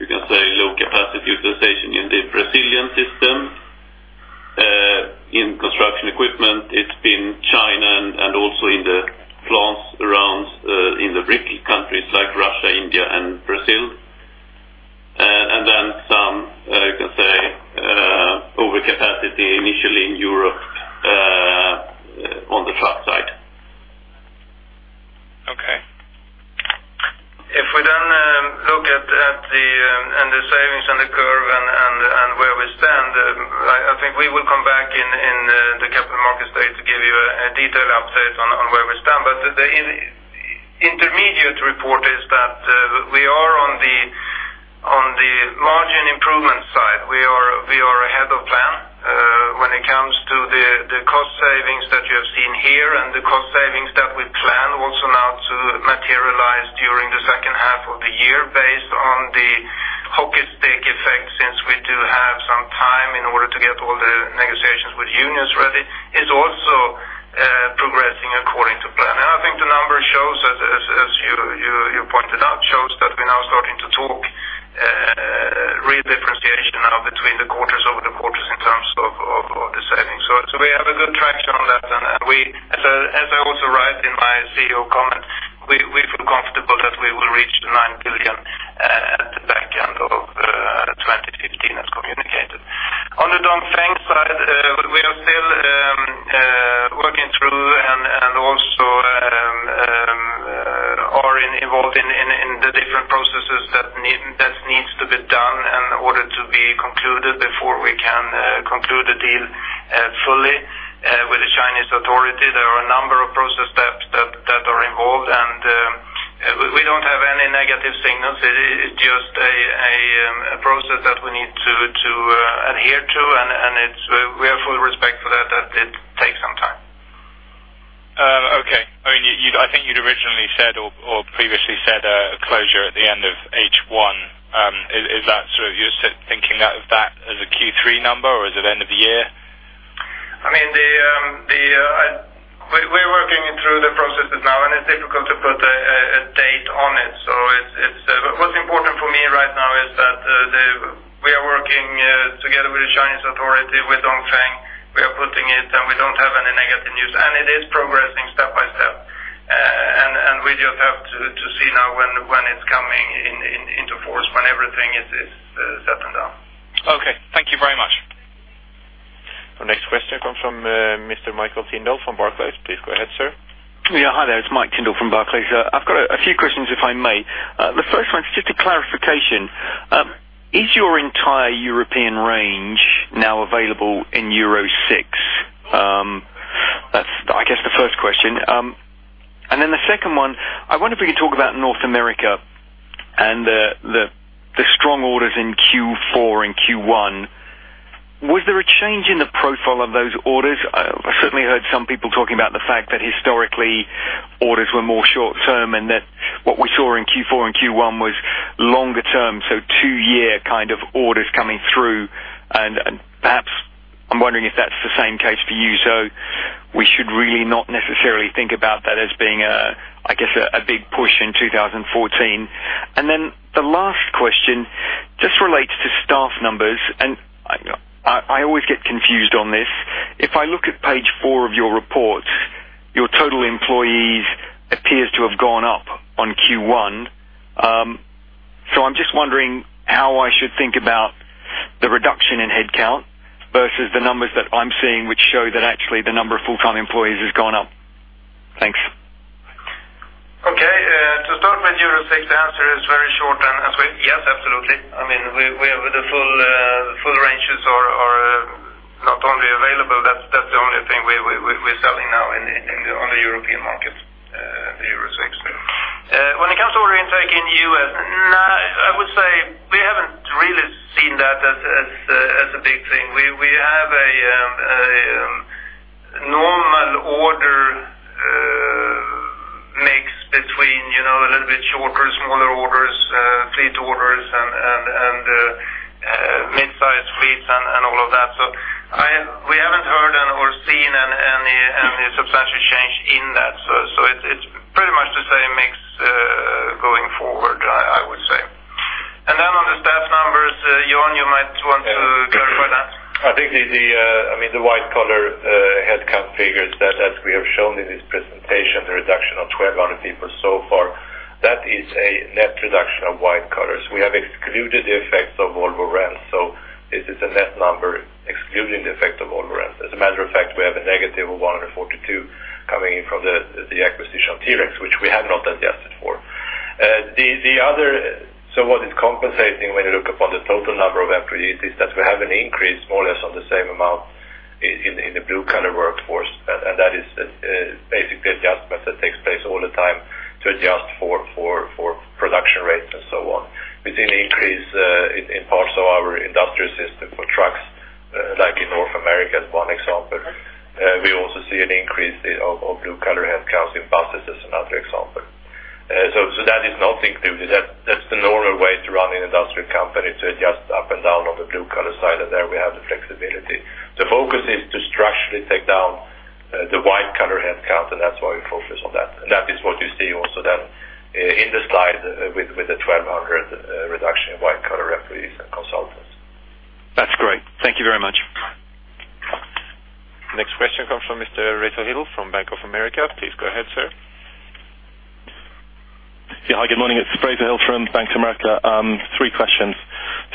you can say, low capacity utilization in the Brazilian system. In construction equipment, it's been China and also in the plants around in the BRIC countries like Russia, India, and Brazil. Then some, you can say, overcapacity initially in Europe on the truck side. Okay. If we then look at the savings and the curve and where we stand, I think we will come back in the Capital Markets Day to give you a detailed update on where we stand. The intermediate report is that we are on the margin improvement side. We are ahead of plan when it comes to the cost savings that you have seen here and the cost savings that we plan also now to materialize during the second half of the year based on the hockey stick effect, since we do have some time in order to get all the negotiations with unions ready, is also progressing according to plan. I think the numbers, as you pointed out, shows that we're now starting to talk real differentiation now between the quarters, over the quarters in terms of the savings. We have a good traction on that, and as I also write in my CEO comment, we feel comfortable that we will reach the 9 billion at the back end of 2015, as communicated. On the Dongfeng side, we are still working through and also are involved in the different processes that conclude the deal fully with the Chinese authority. There are a number of process steps that are involved, and we don't have any negative signals. It is just a process that we need to adhere to, and we have full respect for that it takes some time. Okay. I think you'd originally said or previously said a closure at the end of H1. You're thinking of that as a Q3 number, or is it end of the year? We're working through the processes now. It's difficult to put a date on it. What's important for me right now is that we are working together with the Chinese authority, with Dongfeng. We are putting it. We don't have any negative news. It is progressing step by step. We just have to see now when it's coming into force, when everything is set and done. Okay. Thank you very much. Our next question comes from Mr. Michael Tindall from Barclays. Please go ahead, sir. Hi there. It's Mike Tindall from Barclays. I've got a few questions, if I may. The first one is just a clarification. Is your entire European range now available in Euro 6? That's, I guess the first question. The second one, I wonder if we could talk about North America and the strong orders in Q4 and Q1. Was there a change in the profile of those orders? I certainly heard some people talking about the fact that historically, orders were more short-term, and that what we saw in Q4 and Q1 was longer term, so 2-year kind of orders coming through. Perhaps I'm wondering if that's the same case for you. We should really not necessarily think about that as being, I guess, a big push in 2014. The last question just relates to staff numbers, and I always get confused on this. If I look at page four of your report, your total employees appears to have gone up on Q1. I'm just wondering how I should think about the reduction in headcount versus the numbers that I'm seeing, which show that actually the number of full-time employees has gone up. Thanks. Okay. To start with Euro 6, the answer is very short and sweet. Yes, absolutely. The full ranges are not only available, that's the only thing we're selling now on the European market, the Euro 6. When it comes to order intake in the U.S., I would say we haven't really seen that as a big thing. We have a normal order mix between a little bit shorter, smaller orders, fleet orders, and mid-sized fleets and all of that. We haven't heard or seen any substantial change in that. It's pretty much the same mix going forward, I would say. On the staff numbers, Jan, you might want to clarify that. I think the white collar headcount figures that as we have shown in this presentation, the reduction of 1,200 people so far, that is a net reduction of white collars. We have excluded the effects of Volvo Rents. This is a net number excluding the effect of Volvo Rents. As a matter of fact, we have a negative of 142 coming in from the acquisition of Terex, which we have not adjusted for. What is compensating when you look upon the total number of employees is that we have an increase more or less on the same amount in the blue collar workforce, and that is basically adjustments that takes place all the time to adjust for production rates and so on. We see an increase in parts of our industrial system for trucks, like in North America as one example. We also see an increase of blue collar headcounts in buses as another example. That is nothing new. That's the normal way to run an industrial company, to adjust up and down on the blue collar side, and there we have the flexibility. The focus is to structurally take down the white collar headcount, and that's why we focus on that. And that is what you see also then in the slide with the 1,200 reduction in white collar employees and consultants. That's great. Thank you very much. Next question comes from Mr. Fraser Hill from Bank of America. Please go ahead, sir. Yeah. Hi, good morning. It's Fraser Hill from Bank of America. three questions.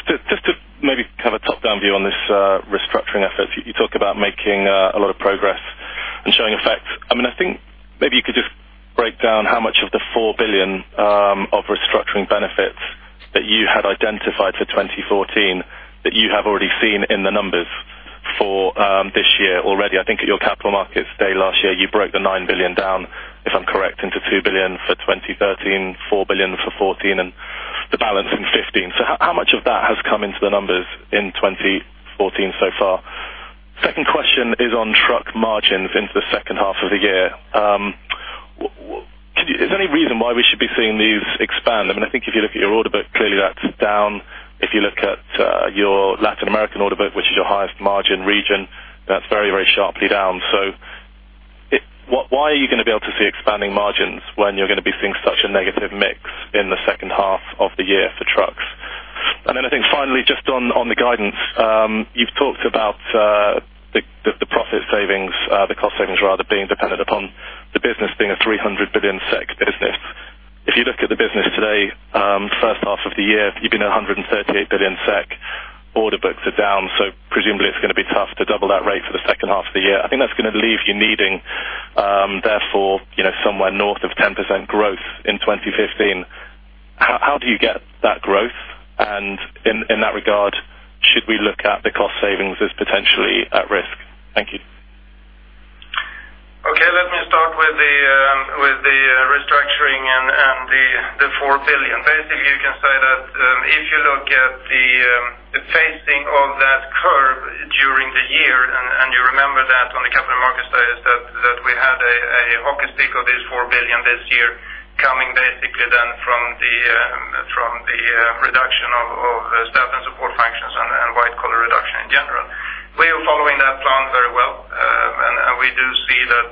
Just to maybe have a top-down view on this restructuring effort. You talk about making a lot of progress and showing effects. I think maybe you could just break down how much of the 4 billion of restructuring benefits that you had identified for 2014 that you have already seen in the numbers for this year already. I think at your capital markets day last year, you broke the 9 billion down, if I'm correct, into 2 billion for 2013, 4 billion for 2014, and the balance in 2015. How much of that has come into the numbers in 2014 so far? Second question is on truck margins into the second half of the year. Is there any reason why we should be seeing these expand? I think if you look at your order book, clearly that's down. If you look at your Latin American order book, which is your highest margin region, that's very sharply down. Why are you going to be able to see expanding margins when you're going to be seeing such a negative mix in the second half of the year for trucks? I think finally, just on the guidance, you've talked about the profit savings, the cost savings rather, being dependent upon the business being a 300 billion SEK business. If you look at the business today, first half of the year, you've been at 138 billion SEK. Order books are down, presumably it's going to be tough to double that rate for the second half of the year. I think that's going to leave you needing, therefore, somewhere north of 10% growth in 2015. How do you get that growth? In that regard, should we look at the cost savings as potentially at risk? Thank you. Okay. Let me start with the restructuring and the 4 billion. Basically, you can say that if you look at the phasing of that curve during the year, you remember that on the capital markets day, that we had a hockey stick of this 4 billion this year coming basically then from the reduction of staff and support functions and white-collar reduction in general. We are following that plan very well, we do see that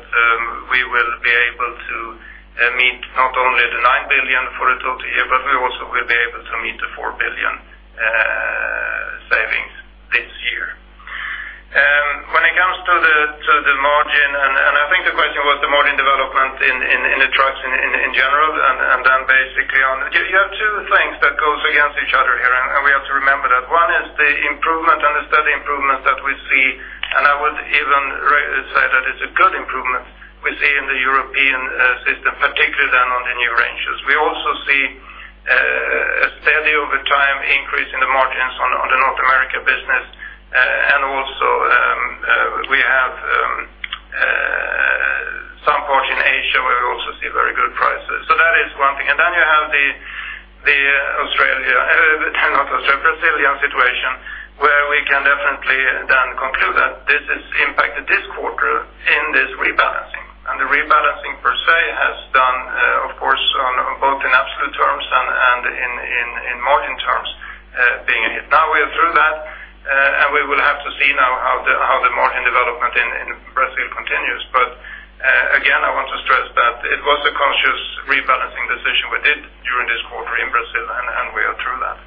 we will be able to meet not only the 9 billion for the total year, but we also will be able to meet the 4 billion savings this year. When it comes to the margin, I think the question was the margin development in the trucks in general. You have two things that go against each other here, and we have to remember that. One is the steady improvement that we see, I would even say that it's a good improvement we see in the European system, particularly then on the new ranges. We also see a steady over time increase in the margins on the North America business, we have some parts in Asia where we also see very good prices. That is one thing. You have the Brazilian situation, where we can definitely then conclude that this has impacted this quarter in this rebalancing, the rebalancing per se has done, of course, both in absolute terms and in margin terms being a hit. Now we are through that, we will have to see now how the margin development in Brazil continues. Again, I want to stress that it was a conscious rebalancing decision we did during this quarter in Brazil. We are through that.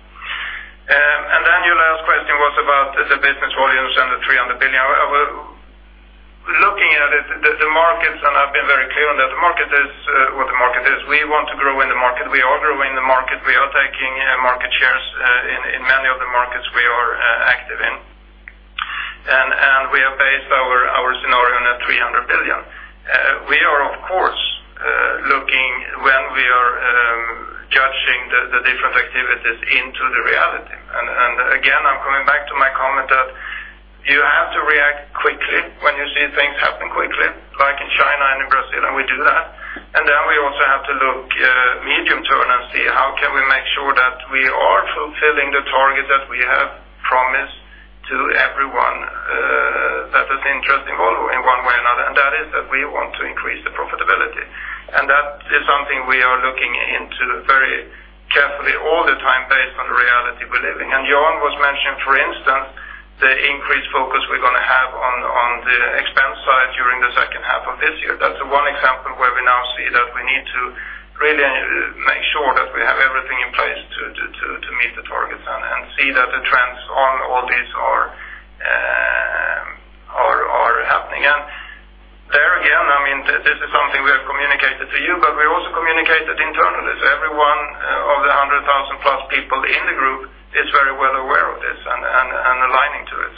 Your last question was about the business volumes and the 300 billion. Looking at it, the markets. I've been very clear on that, the market is what the market is. We want to grow in the market. We are growing the market. We are taking market shares in many of the markets we are active in. We have based our scenario on a 300 billion. We are, of course, looking when we are judging the different activities into the reality. Again, I'm coming back to my comment that you have to react quickly when you see things happen quickly, like in China and in Brazil. We do that. We also have to look medium-term and see how can we make sure that we are fulfilling the target that we have promised to everyone that is interested in Volvo in one way or another. That is that we want to increase the profitability. That is something we are looking into very carefully all the time based on the reality we live in. Joern was mentioning, for instance, the increased focus we're going to have on the expense side during the second half of this year. That's one example where we now see that we need to really make sure that we have everything in place to meet the targets. See that the trends on all these are happening. There again, this is something we have communicated to you, but we also communicate it internally. Every one of the 100,000-plus people in the group is very well aware of this and aligning to it.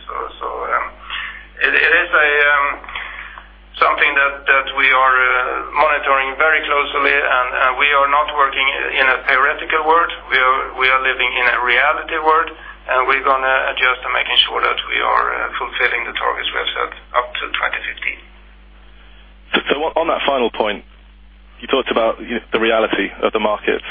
It is something that we are monitoring very closely. We are not working in a theoretical world. We are living in a reality world. We are going to adjust to making sure that we are fulfilling the targets we have set up to 2015. On that final point, you talked about the reality of the markets.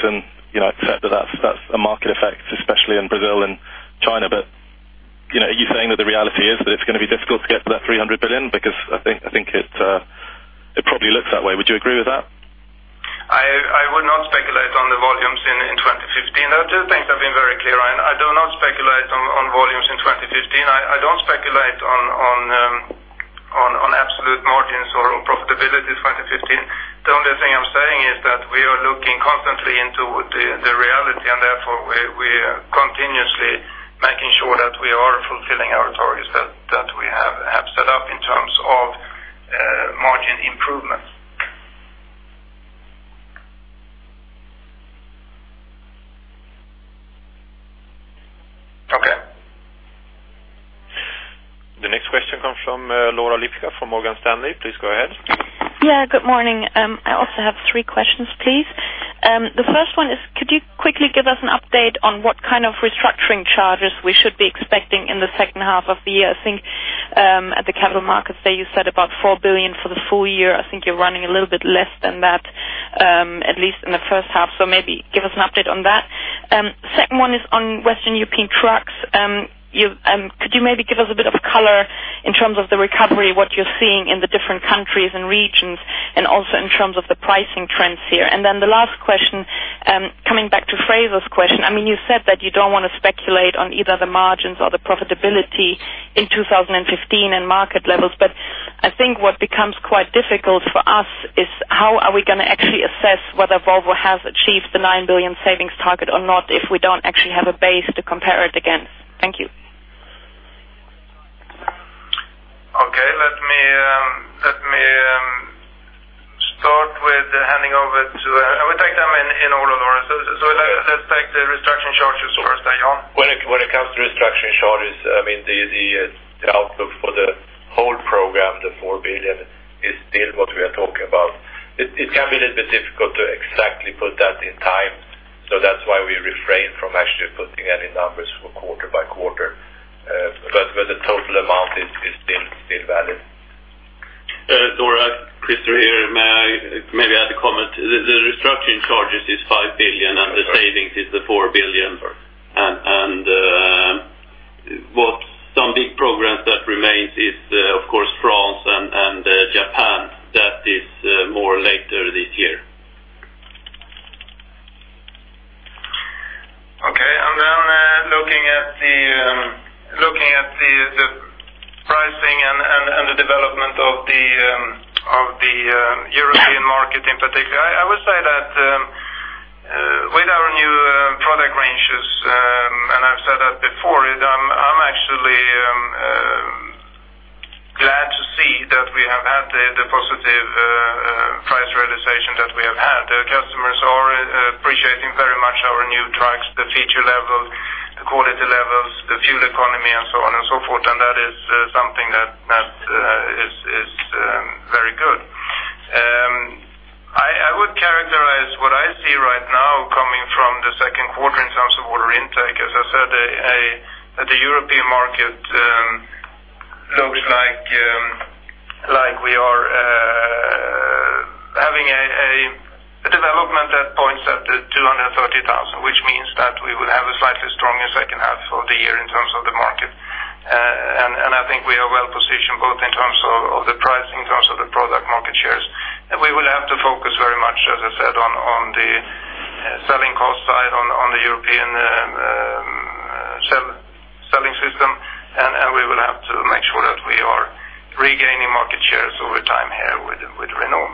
You accepted that that's a market effect, especially in Brazil and China. Are you saying that the reality is that it's going to be difficult to get to that 300 billion? Because I think it probably looks that way. Would you agree with that? I would not speculate on the volumes in 2015. There are two things I've been very clear on. I do not speculate on volumes in 2015. I don't speculate on absolute margins or profitability in 2015. The only thing I'm saying is that we are looking constantly into the reality, we are continuously making sure that we are fulfilling our targets that we have set up in terms of margin improvement. Okay. The next question comes from Laura Lembke from Morgan Stanley. Please go ahead. Good morning. I also have three questions, please. The first one is, could you quickly give us an update on what kind of restructuring charges we should be expecting in the second half of the year? I think at the capital markets day you said about 4 billion for the full year. I think you're running a little bit less than that, at least in the first half, maybe give us an update on that. Second one is on Western European trucks. Could you maybe give us a bit of color in terms of the recovery, what you're seeing in the different countries and regions, and also in terms of the pricing trends here? The last question, coming back to Fraser's question. You said that you don't want to speculate on either the margins or the profitability in 2015 and market levels, I think what becomes quite difficult for us is how are we going to actually assess whether Volvo has achieved the 9 billion savings target or not if we don't actually have a base to compare it against? Thank you. Okay. Let me start with handing over. I will take them in order, Laura. Let's take the restructuring charges first. Joern? When it comes to restructuring charges, the outlook for the Program, the 4 billion is still what we are talking about. It can be a little bit difficult to exactly put that in time, so that's why we refrain from actually putting any numbers for quarter by quarter. The total amount is still valid. Laura, Christer here. May I maybe add a comment? The restructuring charges is 5 billion, and the savings is the 4 billion. Sure. What some big programs that remains is, of course, France and Japan. That is more later this year. Looking at the pricing and the development of the European market in particular, I would say that with our new product ranges, I've said that before, I'm actually glad to see that we have had the positive price realization that we have had. The customers are appreciating very much our new trucks, the feature level, the quality levels, the fuel economy, and so on and so forth, and that is something that is very good. I would characterize what I see right now coming from the second quarter in terms of order intake, as I said, that the European market looks like we are having a development that points at 230,000, which means that we will have a slightly stronger second half of the year in terms of the market. I think we are well-positioned, both in terms of the price, in terms of the product market shares. We will have to focus very much, as I said, on the selling cost side, on the European selling system. We will have to make sure that we are regaining market shares over time here with Renault.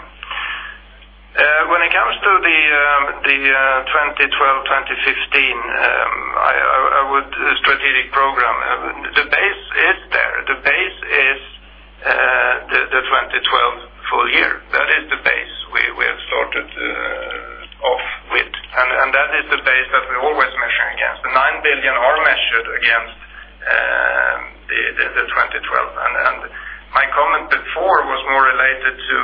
When it comes to the 2012-2015 strategic program, the base is there. The base is the 2012 full year. That is the base we have started off with, and that is the base that we're always measuring against. The 9 billion are measured against the 2012. My comment before was more related to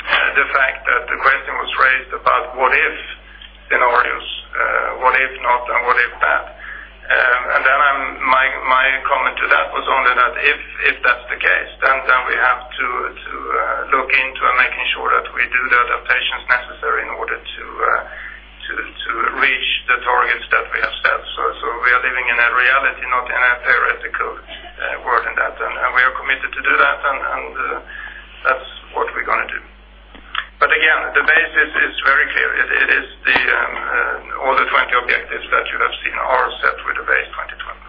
the fact that the question was raised about what if scenarios, what if not and what if that. My comment to that was only that if that's the case, then we have to look into making sure that we do the adaptations necessary in order to reach the targets that we have set. We are living in a reality, not in a theoretical world in that, and we are committed to do that, and that's what we're going to do. Again, the base is very clear. All the 20 objectives that you have seen are set with the base 2012.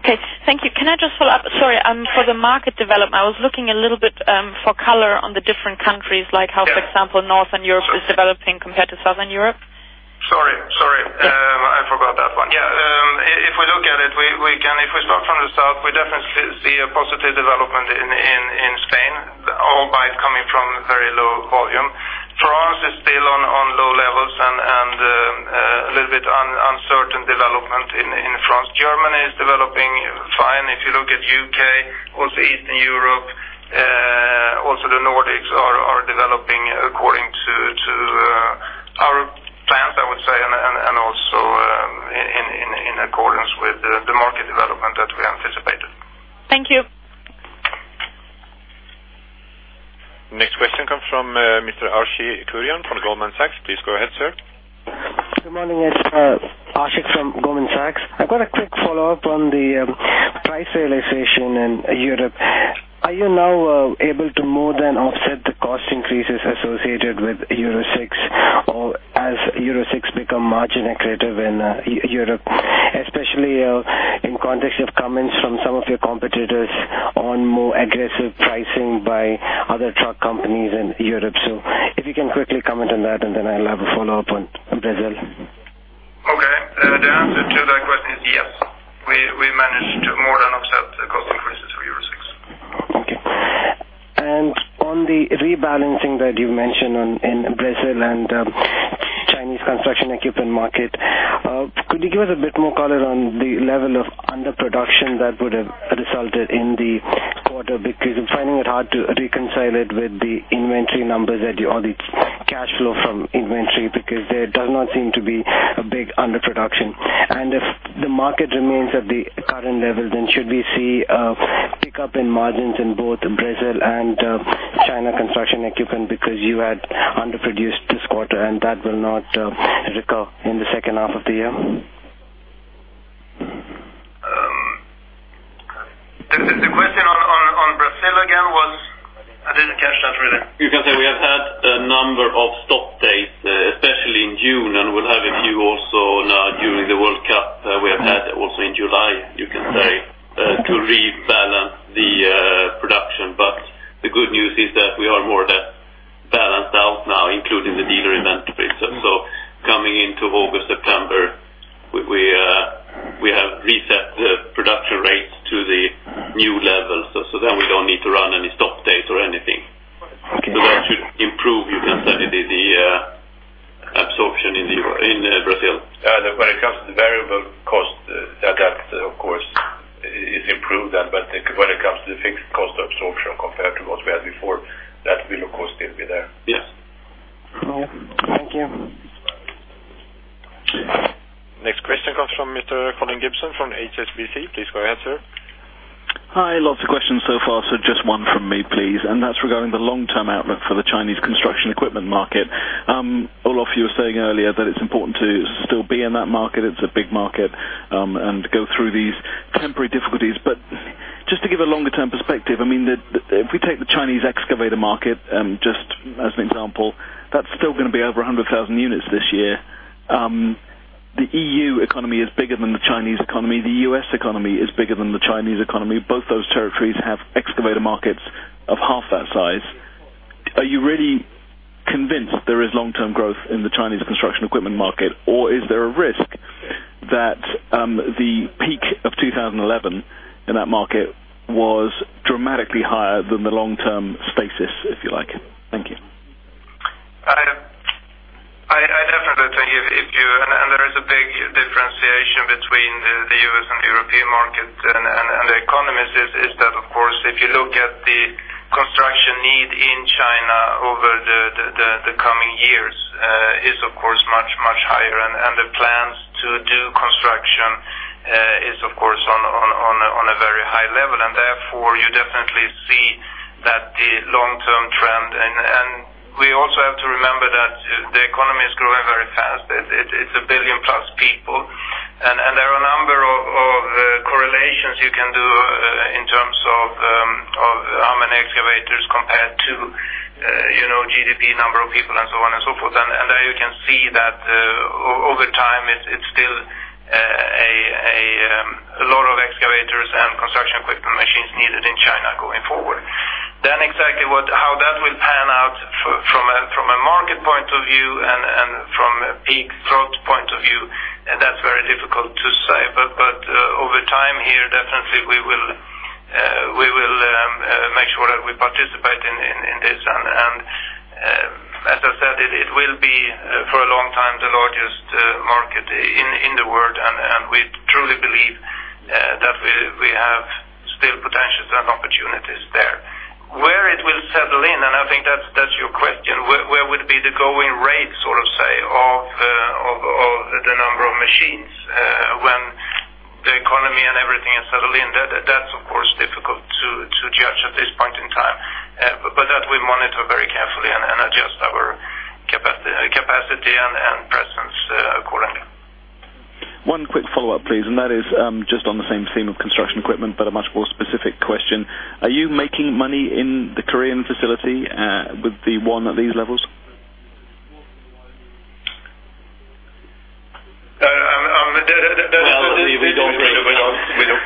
Okay, thank you. Can I just follow up? Sorry, for the market development, I was looking a little bit for color on the different countries, like how, for example, Northern Europe is developing compared to Southern Europe. Sorry. I forgot that one. Yeah. If we look at it, if we start from the south, we definitely see a positive development in Spain, albeit coming from very low volume. France is still on low levels and a little bit uncertain development in France. Germany is developing fine. If you look at U.K., also Eastern Europe, also the Nordics are developing according to our plans, I would say, and also in accordance with the market development that we anticipated. Thank you. Next question comes from Mr. Ashik Kurian from Goldman Sachs. Please go ahead, sir. Good morning. It's Ashik from Goldman Sachs. I've got a quick follow-up on the price realization in Europe. Are you now able to more than offset the cost increases associated with Euro 6, or has Euro 6 become margin accretive in Europe? Especially in context of comments from some of your competitors on more aggressive pricing by other truck companies in Europe. If you can quickly comment on that, then I'll have a follow-up on Brazil. Okay. The answer to that question is yes. We managed to more than offset the cost increases for Euro 6. Okay. On the rebalancing that you mentioned in Brazil and Chinese construction equipment market, could you give us a bit more color on the level of underproduction that would have resulted in the quarter decrease? I'm finding it hard to reconcile it with the inventory numbers or the cash flow from inventory, because there does not seem to be a big underproduction. If the market remains at the current level, then should we see a pickup in margins in both Brazil and China construction equipment because you had underproduced this quarter and that will not recur in the second half of the year? The question on Brazil again was? I didn't catch that really. You can say we have had a number of stop dates, especially in June, and we'll have a few also now during the World Cup. We have had also in July, you can say, to rebalance the production. The good news is that we are more or less balanced out now, including the dealer inventory. Coming into August, September, we have reset the production rates to the new levels. We don't need to run- That, of course, is improved then. When it comes to the fixed cost absorption compared to what we had before, that will of course still be there. Yes. Thank you. Next question comes from Mr. Colin Gibson from HSBC. Please go ahead, sir. Hi. Lots of questions so far, so just one from me, please, and that is regarding the long-term outlook for the Chinese construction equipment market. Olof, you were saying earlier that it is important to still be in that market, it is a big market, and go through these temporary difficulties. Just to give a longer term perspective, if we take the Chinese excavator market, just as an example, that is still going to be over 100,000 units this year. The EU economy is bigger than the Chinese economy. The U.S. economy is bigger than the Chinese economy. Both those territories have excavator markets of half that size. Are you really convinced there is long-term growth in the Chinese construction equipment market, or is there a risk that the peak of 2011 in that market was dramatically higher than the long-term stasis, if you like? Thank you. I definitely think there is a big differentiation between the U.S. and the European market, and the economies is that, of course, if you look at the construction need in China over the coming years, is of course much, much higher. The plans to do construction is, of course, on a very high level. Therefore, you definitely see that the long-term trend, we also have to remember that the economy is growing very fast. It is a billion plus people, there are a number of correlations you can do in terms of how many excavators compared to GDP, number of people, and so on and so forth. There you can see that over time, it is still a lot of excavators and construction equipment machines needed in China going forward. Exactly how that will pan out from a market point of view and from a peak growth point of view, that is very difficult to say. Over time here, definitely we will make sure that we participate in this, as I said, it will be, for a long time, the largest market in the world, we truly believe that we have still potentials and opportunities there. Where it will settle in, I think that is your question, where would be the going rate, sort of say, of the number of machines when the economy and everything has settled in? That is of course difficult to judge at this point in time. That we monitor very carefully and adjust our capacity and presence accordingly. One quick follow-up, please, that is just on the same theme of construction equipment, a much more specific question. Are you making money in the Korean facility with the KRW at these levels?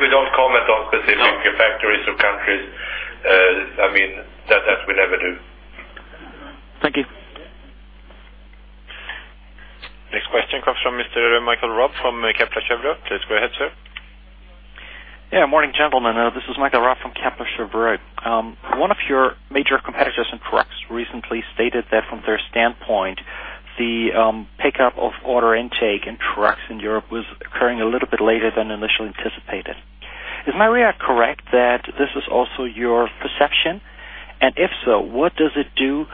We don't comment on specific factories or countries. That we never do. Thank you. Next question comes from Mr. Michael Roth from Kepler Cheuvreux. Please go ahead, sir. Yeah. Morning, gentlemen. This is Michael Roth from Kepler Cheuvreux. One of your major competitors in trucks recently stated that from their standpoint, the pickup of order intake in trucks in Europe was occurring a little bit later than initially anticipated. Am I correct that this is also your perception? If so, what does it do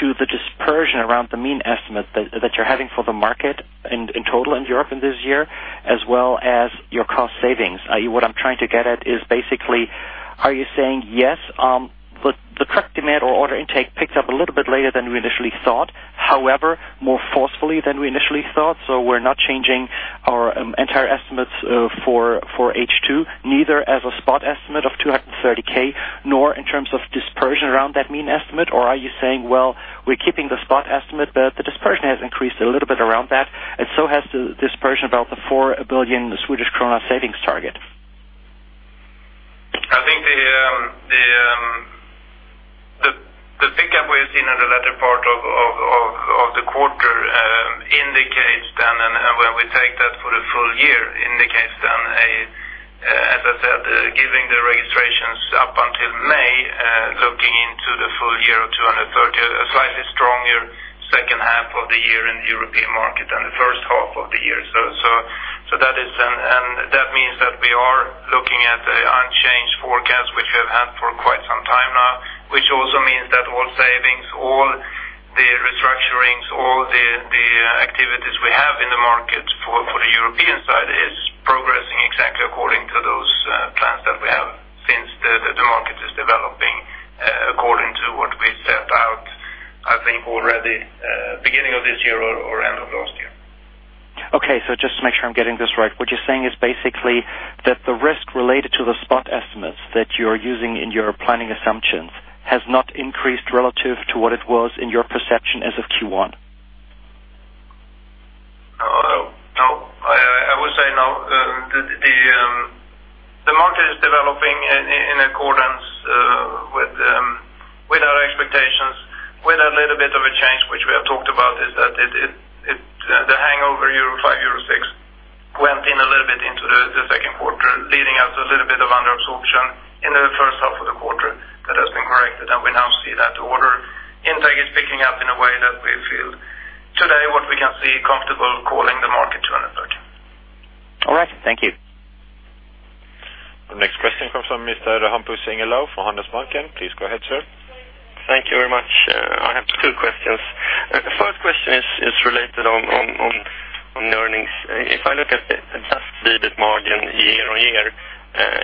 to the dispersion around the mean estimate that you're having for the market in total in Europe in this year, as well as your cost savings? What I'm trying to get at is basically, are you saying, yes, the truck demand or order intake picked up a little bit later than we initially thought, however, more forcefully than we initially thought, so we're not changing our entire estimates for H2, neither as a spot estimate of 230,000, nor in terms of dispersion around that mean estimate? Are you saying, well, we're keeping the spot estimate, but the dispersion has increased a little bit around that, and so has the dispersion about the 4 billion Swedish krona savings target? I think the pickup we've seen in the latter part of the quarter indicates then, and when we take that for the full year, indicates then a, as I said, giving the registrations up until May, looking into the full year of 230, a slightly stronger second half of the year in the European market than the first half of the year. That means that we are looking at the unchanged forecast, which we have had for quite some time now, which also means that all savings, all the restructurings, all the activities we have in the market for the European side is progressing exactly according to those plans that we have since the market is developing according to what we set out, I think, already beginning of this year or end of last year. Okay. Just to make sure I'm getting this right. What you're saying is basically that the risk related to the spot estimates that you're using in your planning assumptions has not increased relative to what it was in your perception as of Q1? No. I would say no. The market is developing in accordance with our expectations, with a little bit of a change, which we have talked about, is that the hangover Euro 5, Euro 6 went in a little bit into the second quarter, leaving us a little bit of under absorption in the first half of the year. We now see that order intake is picking up in a way that we feel today what we can see comfortable calling the market 213. All right. Thank you. The next question comes from Mr. Hampus Engellau from Handelsbanken. Please go ahead, sir. Thank you very much. I have two questions. The first question is related on the earnings. If I look at the adjusted margin year-on-year,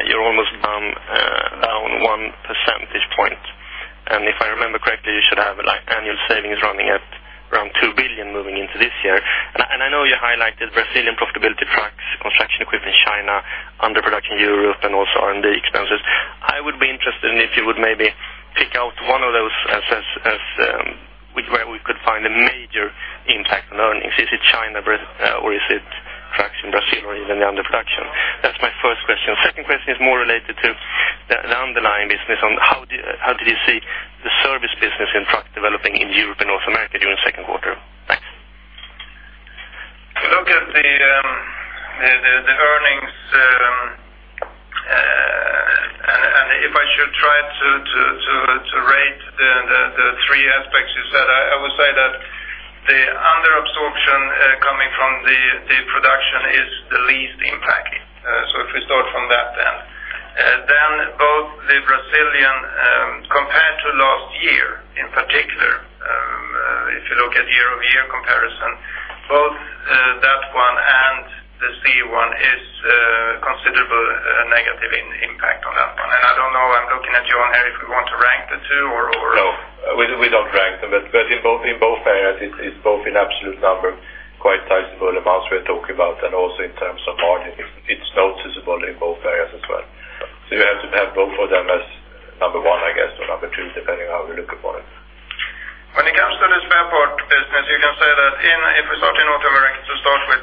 you're almost down one percentage point. If I remember correctly, you should have annual savings running at around 2 billion moving into this year. I know you highlighted Brazilian profitability cracks, construction equipment China, underproduction Europe, and also R&D expenses. I would be interested in if you would maybe pick out one of those where we could find a major impact on earnings. Is it China, or is it trucks in Brazil, or is it the underproduction? That's my first question. Second question is more related to the underlying business on how did you see the service business in truck developing in Europe and North America during the second quarter? Look at the earnings, if I should try to rate the three aspects you said, I would say that the underabsorption coming from the production is the least impacting. If we start from that end. Both the Brazilian, compared to last year, in particular, if you look at year-over-year comparison, both that one and the CE one is considerable negative impact on that one. I don't know, I'm looking at Jan on here. No, we don't rank them. In both areas, it's both in absolute number, quite sizable amounts we're talking about, and also in terms of margin, it's noticeable in both areas as well. You have to have both of them as number one, I guess, or number two, depending on how you're looking for it. When it comes to the spare part business, you can say that if we start in North America to start with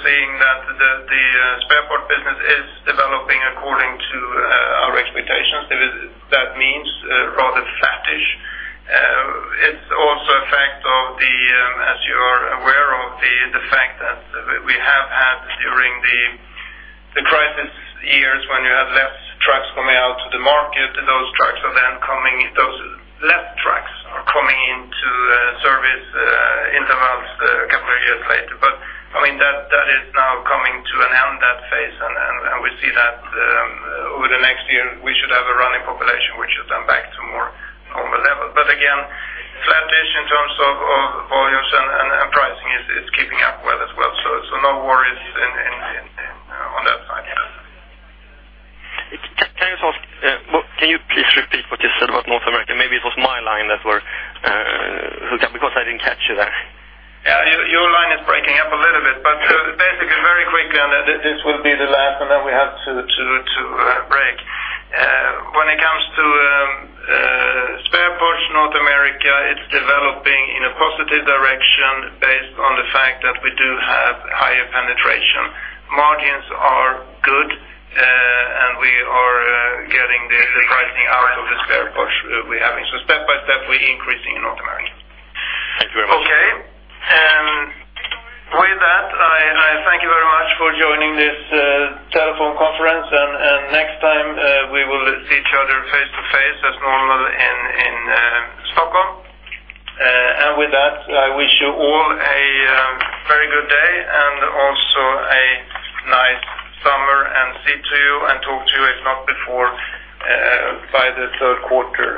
times on our own penetration. Margins are also trending in a good way. We have good margins on the spare part business in North America. In Europe, we have also seen that the spare part business is developing according to our expectations. That means rather flattish. It's also a fact of the, as you are aware of, the fact that we have had during the crisis years, when you have less trucks going out to the market, those less trucks are coming into service in the months a couple of years later. That is now coming to an end, that phase, and we see that over the next year, we should have a running population which is then back to more normal level. Again, flattish in terms of volumes and pricing is keeping up well as well. No worries on that side. Can you please repeat what you said about North America? Maybe it was my line that were hooked up because I didn't catch you there. Yeah, your line is breaking up a little bit, basically very quickly, this will be the last, then we have to break. When it comes to spare parts North America, it's developing in a positive direction based on the fact that we do have higher penetration. Margins are good, and we are getting the pricing out of the spare parts we are having. Step by step, we're increasing in North America. Thank you very much. Okay. With that, I thank you very much for joining this telephone conference, next time we will see each other face-to-face as normal in Stockholm. With that, I wish you all a very good day and also a nice summer, see to you, and talk to you, if not before, by the third quarter.